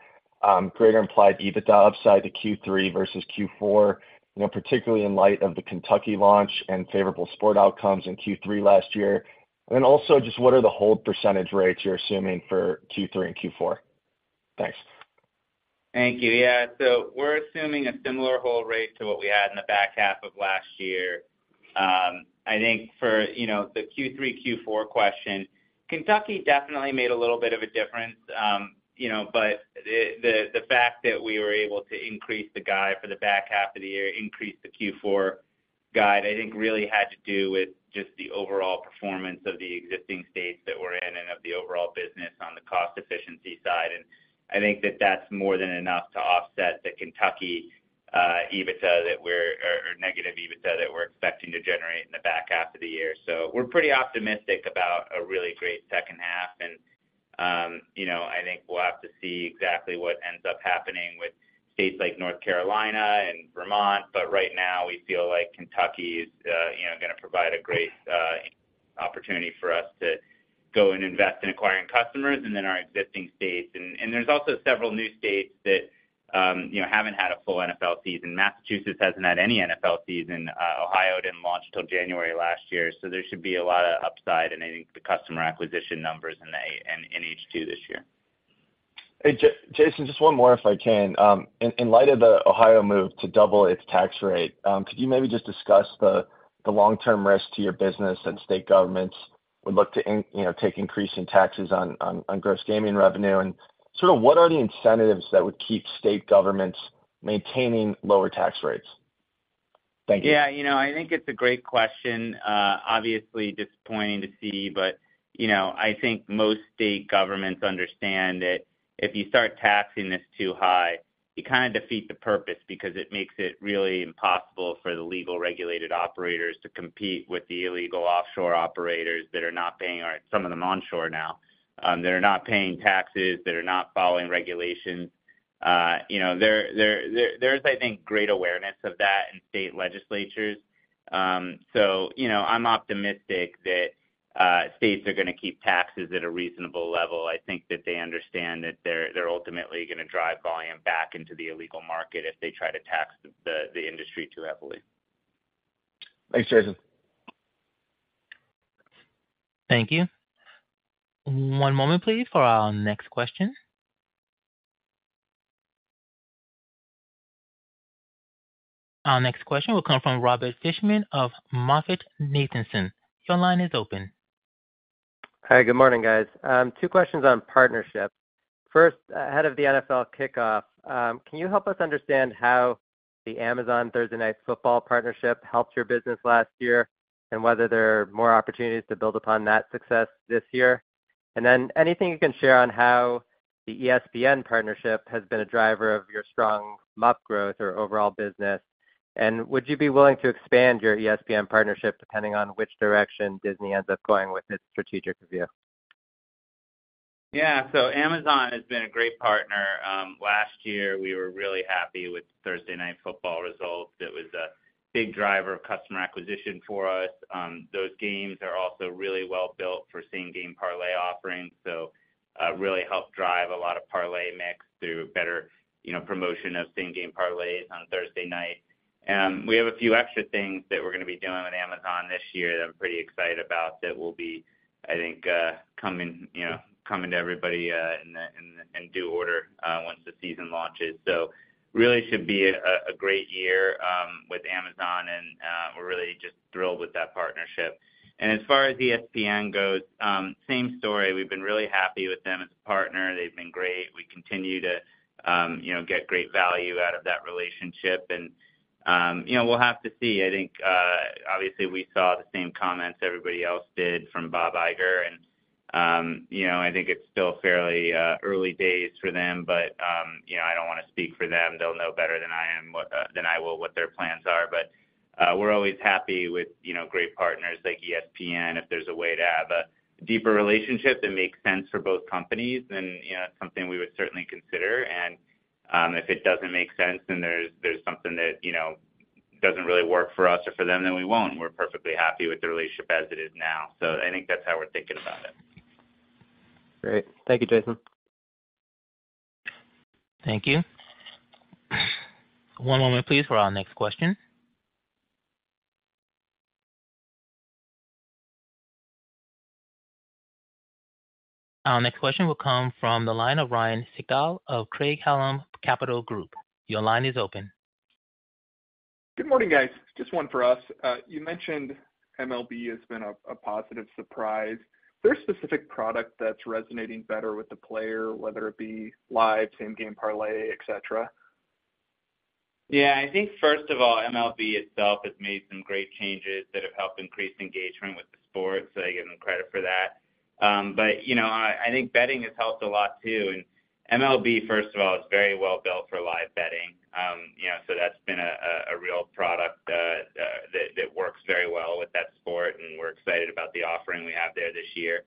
greater implied EBITDA upside to Q3 versus Q4? You know, particularly in light of the Kentucky launch and favorable sport outcomes in Q3 last year. Then also, just what are the hold % rates you're assuming for Q3 and Q4? Thanks. Thank you. So we're assuming a similar hold rate to what we had in the back half of last year. I think for, you know, the Q3, Q4 question, Kentucky definitely made a little bit of a difference, you know, but the, the, the fact that we were able to increase the guide for the back half of the year, increase the Q4 guide, I think, really had to do with just the overall performance of the existing states that we're in and of the overall business on the cost efficiency side. I think that that's more than enough to offset the Kentucky EBITDA, or negative EBITDA that we're expecting to generate in the back half of the year. We're pretty optimistic about a really great second half, and, you know, I think we'll have to see exactly what ends up happening with states like North Carolina and Vermont. Right now, we feel like Kentucky is, you know, gonna provide a great opportunity for us to go and invest in acquiring customers and then our existing states. There's also several new states that, you know, haven't had a full NFL season. Massachusetts hasn't had any NFL season. Ohio didn't launch till January last year, so there should be a lot of upside in, I think, the customer acquisition numbers in H2 this year. Hey, Jason, just one more, if I can. In light of the Ohio move to double its tax rate, could you maybe just discuss the long-term risk to your business that state governments would look to you know, take increasing taxes on Gross Gaming Revenue? Sort of what are the incentives that would keep state governments maintaining lower tax rates? Thank you. Yeah, you know, I think it's a great question. Obviously disappointing to see, you know, I think most state governments understand that if you start taxing this too high, you kind of defeat the purpose because it makes it really impossible for the legal, regulated operators to compete with the illegal offshore operators that are not paying, or some of them onshore now, that are not paying taxes, that are not following regulations. You know, there, there, there's, I think, great awareness of that in state legislatures. You know, I'm optimistic that states are gonna keep taxes at a reasonable level. I think that they understand that they're, they're ultimately gonna drive volume back into the illegal market if they try to tax the, the industry too heavily. Thanks, Jason. Thank you. One moment, please, for our next question. Our next question will come from Robert Fishman of MoffettNathanson. Your line is open. Hi, good morning, guys. 2 questions on partnerships. First, ahead of the NFL kickoff, can you help us understand how the Amazon Thursday Night Football partnership helped your business last year, and whether there are more opportunities to build upon that success this year? Then, anything you can share on how the ESPN partnership has been a driver of your strong MOM growth or overall business? Would you be willing to expand your ESPN partnership, depending on which direction Disney ends up going with its strategic review? Yeah. Amazon has been a great partner. Last year, we were really happy with Thursday Night Football results. It was a big driver of customer acquisition for us. Those games are also really well built for same-game parlay offerings, so really helped drive a lot of parlay mix through better, you know, promotion of Same-Game Parlays on a Thursday night. We have a few extra things that we're gonna be doing with Amazon this year that I'm pretty excited about, that will be, I think, coming, you know, coming to everybody in the, in, in due order, once the season launches. Really should be a great year with Amazon, and we're really just thrilled with that partnership. As far as ESPN goes, same story. We've been really happy with them as a partner. They've been great. We continue to, you know, get great value out of that relationship. You know, we'll have to see. I think, obviously, we saw the same comments everybody else did from Bob Iger, and, you know, I think it's still fairly early days for them. You know, I don't want to speak for them. They'll know better than I am, than I will, what their plans are. We're always happy with, you know, great partners like ESPN. If there's a way to have a deeper relationship that makes sense for both companies, then, you know, that's something we would certainly consider. If it doesn't make sense, then there's, there's something that, you know, doesn't really work for us or for them, then we won't. We're perfectly happy with the relationship as it is now. I think that's how we're thinking about it. Great. Thank you, Jason. Thank you. One moment, please, for our next question. Our next question will come from the line of Ryan Sigdahl of Craig-Hallum Capital Group. Your line is open. Good morning, guys. Just one for us. You mentioned MLB has been a positive surprise. There's a specific product that's resonating better with the player, whether it be live, same-game parlay, et cetera? Yeah. I think first of all, MLB itself has made some great changes that have helped increase engagement with the sport, so I give them credit for that. You know, I, I think betting has helped a lot, too. MLB, first of all, is very well built for live betting. You know, that's been a real product that works very well with that sport, and we're excited about the offering we have there this year.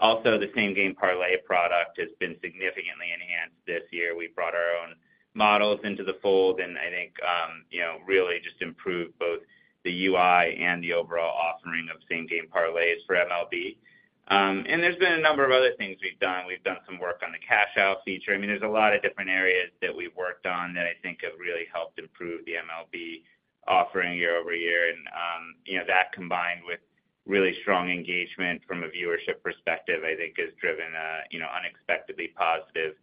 The same-game parlay product has been significantly enhanced this year. We've brought our own models into the fold, and I think, you know, really just improved both the UI and the overall offering of Same-Game Parlays for MLB. There's been a number of other things we've done. We've done some work on the cash out feature. I mean, there's a lot of different areas that we've worked on that I think have really helped improve the MLB offering year-over-year. You know, that combined with really strong engagement from a viewership perspective, I think, has driven a, you know, unexpectedly positive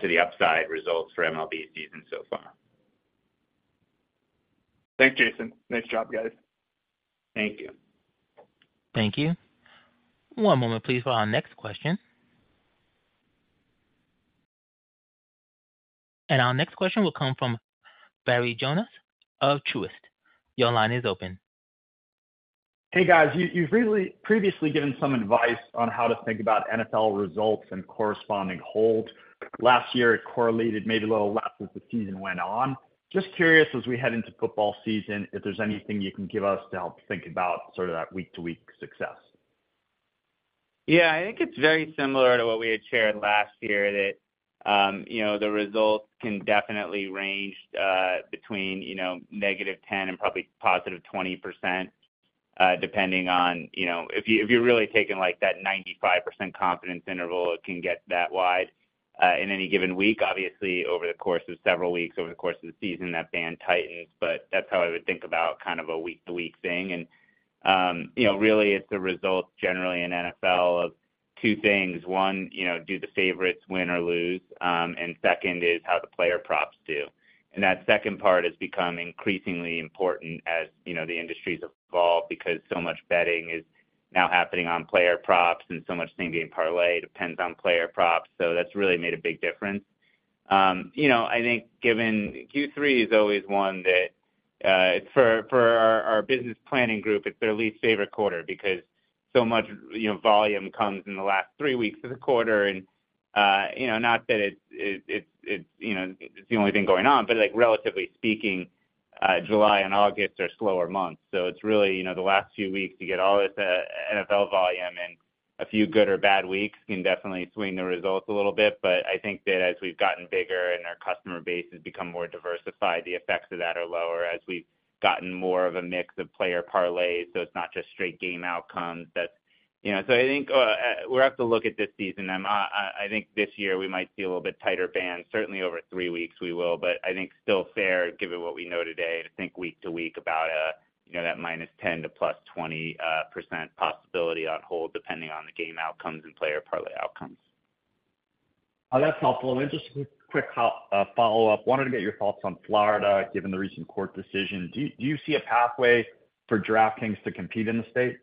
to the upside results for MLB's season so far. Thanks, Jason. Nice job, guys. Thank you. Thank you. One moment please, for our next question. Our next question will come from Barry Jonas of Truist. Your line is open. Hey, guys. You've really previously given some advice on how to think about NFL results and corresponding holds. Last year, it correlated maybe a little less as the season went on. Just curious, as we head into football season, if there's anything you can give us to help think about sort of that week-to-week success? Yeah, I think it's very similar to what we had shared last year, that, you know, the results can definitely range between, you know, -10% and probably +20%, depending on, you know, if you're really taking, like, that 95% confidence interval, it can get that wide in any given week. Obviously, over the course of several weeks, over the course of the season, that band tightens. That's how I would think about kind of a week-to-week thing. You know, really, it's a result generally in NFL of two things. One, you know, do the favorites win or lose? Second is how the player props do. That second part has become increasingly important, as, you know, the industry's evolved because so much betting is now happening on player props and so much same-game parlay depends on player props, so that's really made a big difference. You know, I think given Q3 is always one that, for, for our business planning group, it's their least favorite quarter because so much, you know, volume comes in the last three weeks of the quarter. You know, not that it's, it's, you know, it's the only thing going on, but, like, relatively speaking, July and August are slower months. It's really, you know, the last few weeks, you get all this NFL volume, and a few good or bad weeks can definitely swing the results a little bit. I think that as we've gotten bigger and our customer base has become more diversified, the effects of that are lower as we've gotten more of a mix of player parlays, so it's not just straight game outcomes. You know, I think we'll have to look at this season. I think this year we might see a little bit tighter bands. Certainly, over three weeks we will, I think still fair, given what we know today, to think week to week about, you know, that -10% to +20% possibility on hold, depending on the game outcomes and player parlay outcomes. Oh, that's helpful. Just a quick follow-up. Wanted to get your thoughts on Florida, given the recent court decision. Do you see a pathway for DraftKings to compete in the state?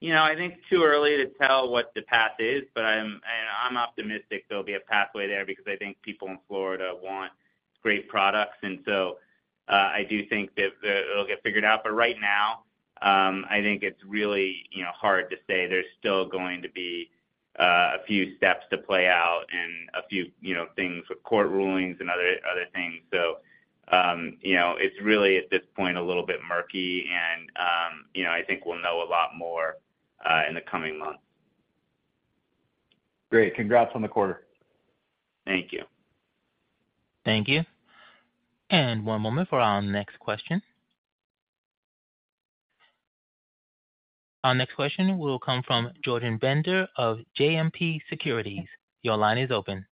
You know, I think it's too early to tell what the path is, but I'm, and I'm optimistic there'll be a pathway there because I think people in Florida want great products. I do think that it'll get figured out. Right now, I think it's really, you know, hard to say. There's still going to be a few steps to play out and a few, you know, things with court rulings and other, other things. You know, it's really, at this point, a little bit murky and, you know, I think we'll know a lot more in the coming months. Great. Congrats on the quarter. Thank you. Thank you. One moment for our next question. Our next question will come from Jordan Bender of JMP Securities. Your line is open.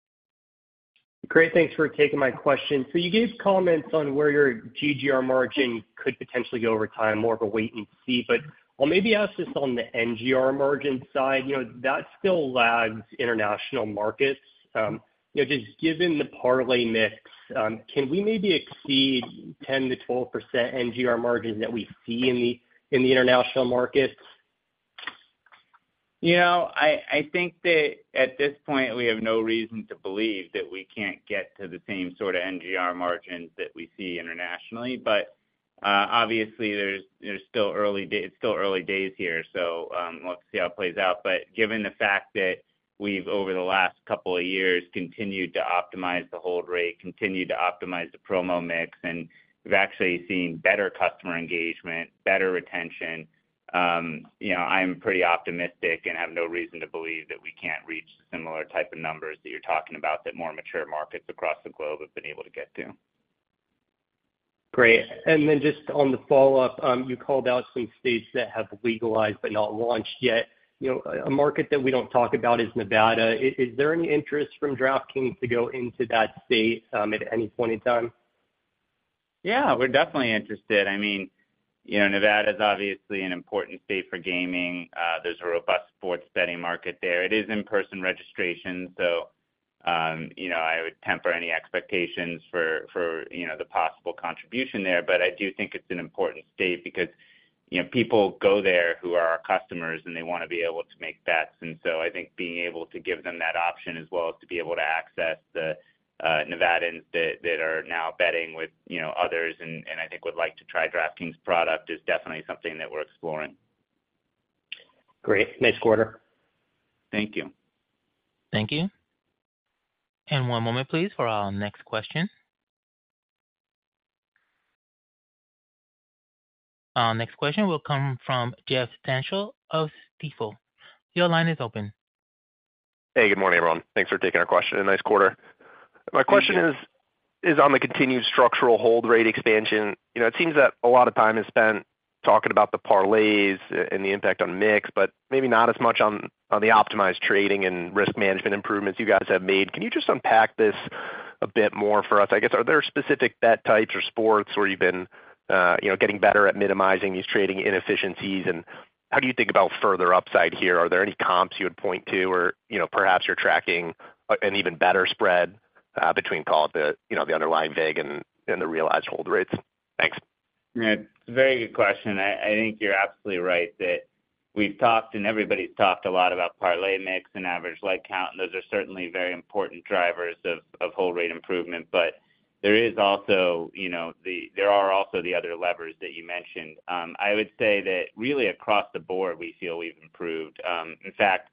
Great, thanks for taking my question. You gave comments on where your GGR margin could potentially go over time, more of a wait and see. I'll maybe ask this on the NGR margin side, you know, that still lags international markets. You know, just given the parlay mix, can we maybe exceed 10%-12% NGR margins that we see in the, in the international markets? You know, I, I think that at this point, we have no reason to believe that we can't get to the same sort of NGR margins that we see internationally. Obviously, there's, there's still early it's still early days here, so, let's see how it plays out. Given the fact that we've over the last couple of years continued to optimize the hold rate, continued to optimize the promo mix, and we've actually seen better customer engagement, better retention, you know, I'm pretty optimistic and have no reason to believe that we can't reach similar type of numbers that you're talking about, that more mature markets across the globe have been able to get to. Great. Then just on the follow-up, you called out some states that have legalized but not launched yet. You know, a market that we don't talk about is Nevada. Is there any interest from DraftKings to go into that state, at any point in time? Yeah, we're definitely interested. I mean, you know, Nevada is obviously an important state for gaming. There's a robust sports betting market there. It is in-person registration, so, you know, I would temper any expectations for, you know, the possible contribution there. I do think it's an important state because, you know, people go there who are our customers, and they want to be able to make bets. So I think being able to give them that option, as well as to be able to access the Nevadans that are now betting with, you know, others, and I think would like to try DraftKings' product, is definitely something that we're exploring. Great. Nice quarter. Thank you. Thank you. One moment, please, for our next question. Our next question will come from Joe Stauff of SIG. Your line is open. Hey, good morning, everyone. Thanks for taking our question, and nice quarter. Thank you. My question is, is on the continued Structural Hold rate expansion. You know, it seems that a lot of time is spent talking about the parlays and the impact on mix, but maybe not as much on, on the optimized trading and risk management improvements you guys have made. Can you just unpack this a bit more for us? I guess, are there specific bet types or sports where you've been, you know, getting better at minimizing these trading inefficiencies? And how do you think about further upside here? Are there any comps you would point to or, you know, perhaps you're tracking an even better spread between, call it, the, you know, the underlying vig and the, and the real edge hold rates? Thanks. Yeah, it's a very good question. I, I think you're absolutely right, that we've talked and everybody's talked a lot about parlay mix and average leg count, and those are certainly very important drivers of, of hold rate improvement. There is also, you know, there are also the other levers that you mentioned. I would say that really across the board, we feel we've improved. In fact,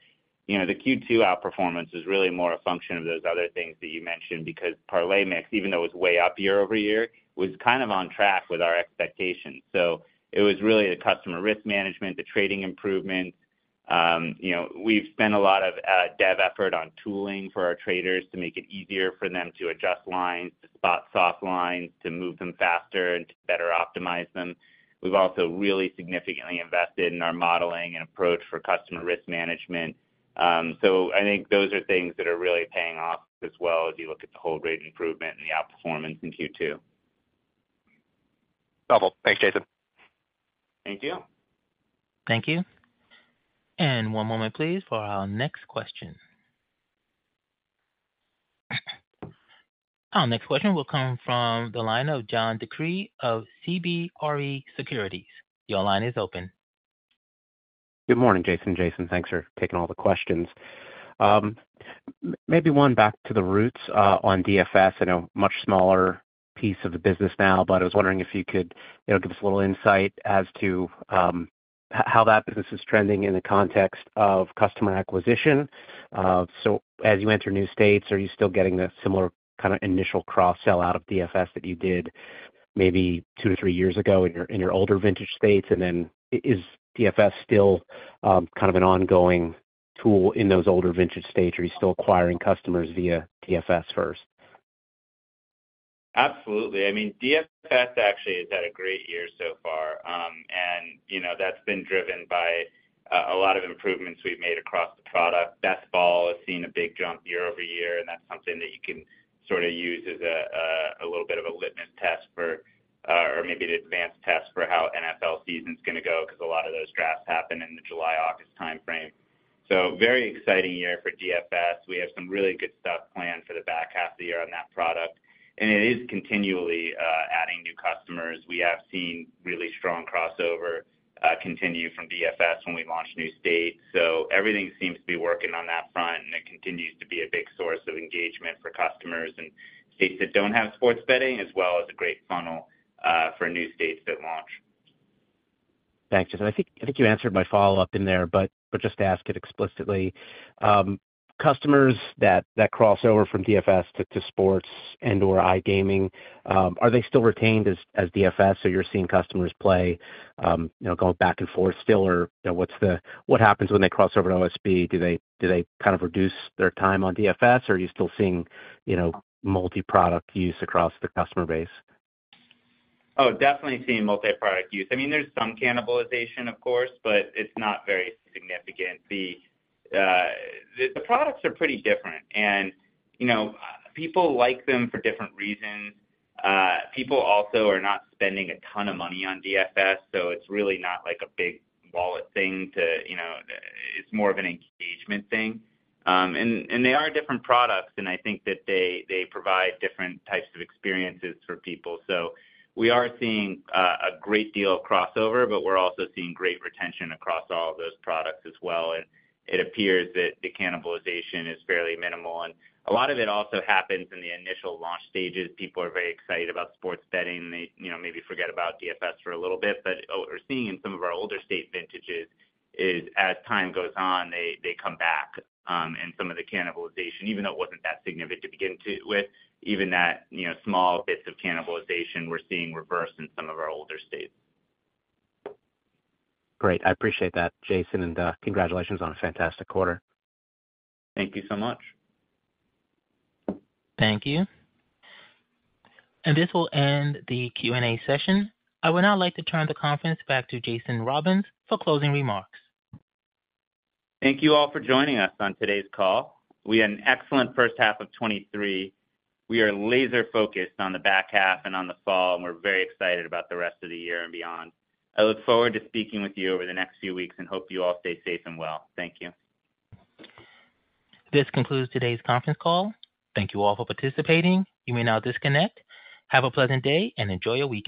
you know, the Q2 outperformance is really more a function of those other things that you mentioned, because parlay mix, even though it was way up year-over-year, was kind of on track with our expectations. It was really the customer risk management, the trading improvements. You know, we've spent a lot of dev effort on tooling for our traders to make it easier for them to adjust lines, to spot soft lines, to move them faster and to better optimize them. We've also really significantly invested in our modeling and approach for customer risk management. I think those are things that are really paying off as well, as you look at the hold rate improvement and the outperformance in Q2. Wonderful. Thanks, Jason. Thank you. Thank you. One moment, please, for our next question. Our next question will come from the line of John DeCree of CBRE Securities. Your line is open. Good morning, Jason and Jason. Thanks for taking all the questions. Maybe one back to the roots on DFS. I know, much smaller piece of the business now, but I was wondering if you could, you know, give us a little insight as to how that business is trending in the context of customer acquisition. As you enter new states, are you still getting a similar kind of initial cross-sell out of DFS that you did maybe 2 to 3 years ago in your, in your older vintage states? Is DFS still kind of an ongoing tool in those older vintage states, or are you still acquiring customers via DFS first? Absolutely. I mean, DFS actually has had a great year so far. You know, that's been driven by a, a lot of improvements we've made across the product. Baseball has seen a big jump year-over-year, and that's something that you can sort of use as a, a little bit of a litmus test for, or maybe an advanced test for how NFL season's gonna go, because a lot of those drafts happen in the July-August timeframe. Very exciting year for DFS. We have some really good stuff planned for the back half of the year on that product, and it is continually adding new customers. We have seen really strong crossover, continue from DFS when we launch new states. Everything seems to be working on that front, and it continues to be a big source of engagement for customers in states that don't have sports betting, as well as a great funnel, for new states that launch. Thanks, Jason. I think, I think you answered my follow-up in there, but just to ask it explicitly: Customers that, that cross over from DFS to, to sports and/or iGaming, are they still retained as, as DFS? So you're seeing customers play, you know, going back and forth still, or, you know, what happens when they cross over to OSB? Do they, do they kind of reduce their time on DFS, or are you still seeing, you know, multi-product use across the customer base? Oh, definitely seeing multi-product use. I mean, there's some cannibalization, of course, but it's not very significant. The products are pretty different and, you know, people like them for different reasons. People also are not spending a ton of money on DFS, so it's really not like a big wallet thing to... You know, it's more of an engagement thing. And they are different products, and I think that they, they provide different types of experiences for people. We are seeing, a great deal of crossover, but we're also seeing great retention across all of those products as well. It appears that the cannibalization is fairly minimal. A lot of it also happens in the initial launch stages. People are very excited about sports betting, and they, you know, maybe forget about DFS for a little bit. What we're seeing in some of our older state vintages is, as time goes on, they, they come back, and some of the cannibalization, even though it wasn't that significant to begin with, even that, you know, small bits of cannibalization we're seeing reverse in some of our older states. Great. I appreciate that, Jason, and congratulations on a fantastic quarter. Thank you so much. Thank you. This will end the Q&A session. I would now like to turn the conference back to Jason Robins for closing remarks. Thank you all for joining us on today's call. We had an excellent first half of 2023. We are laser-focused on the back half and on the fall, and we're very excited about the rest of the year and beyond. I look forward to speaking with you over the next few weeks, and hope you all stay safe and well. Thank you. This concludes today's conference call. Thank you all for participating. You may now disconnect. Have a pleasant day and enjoy your week.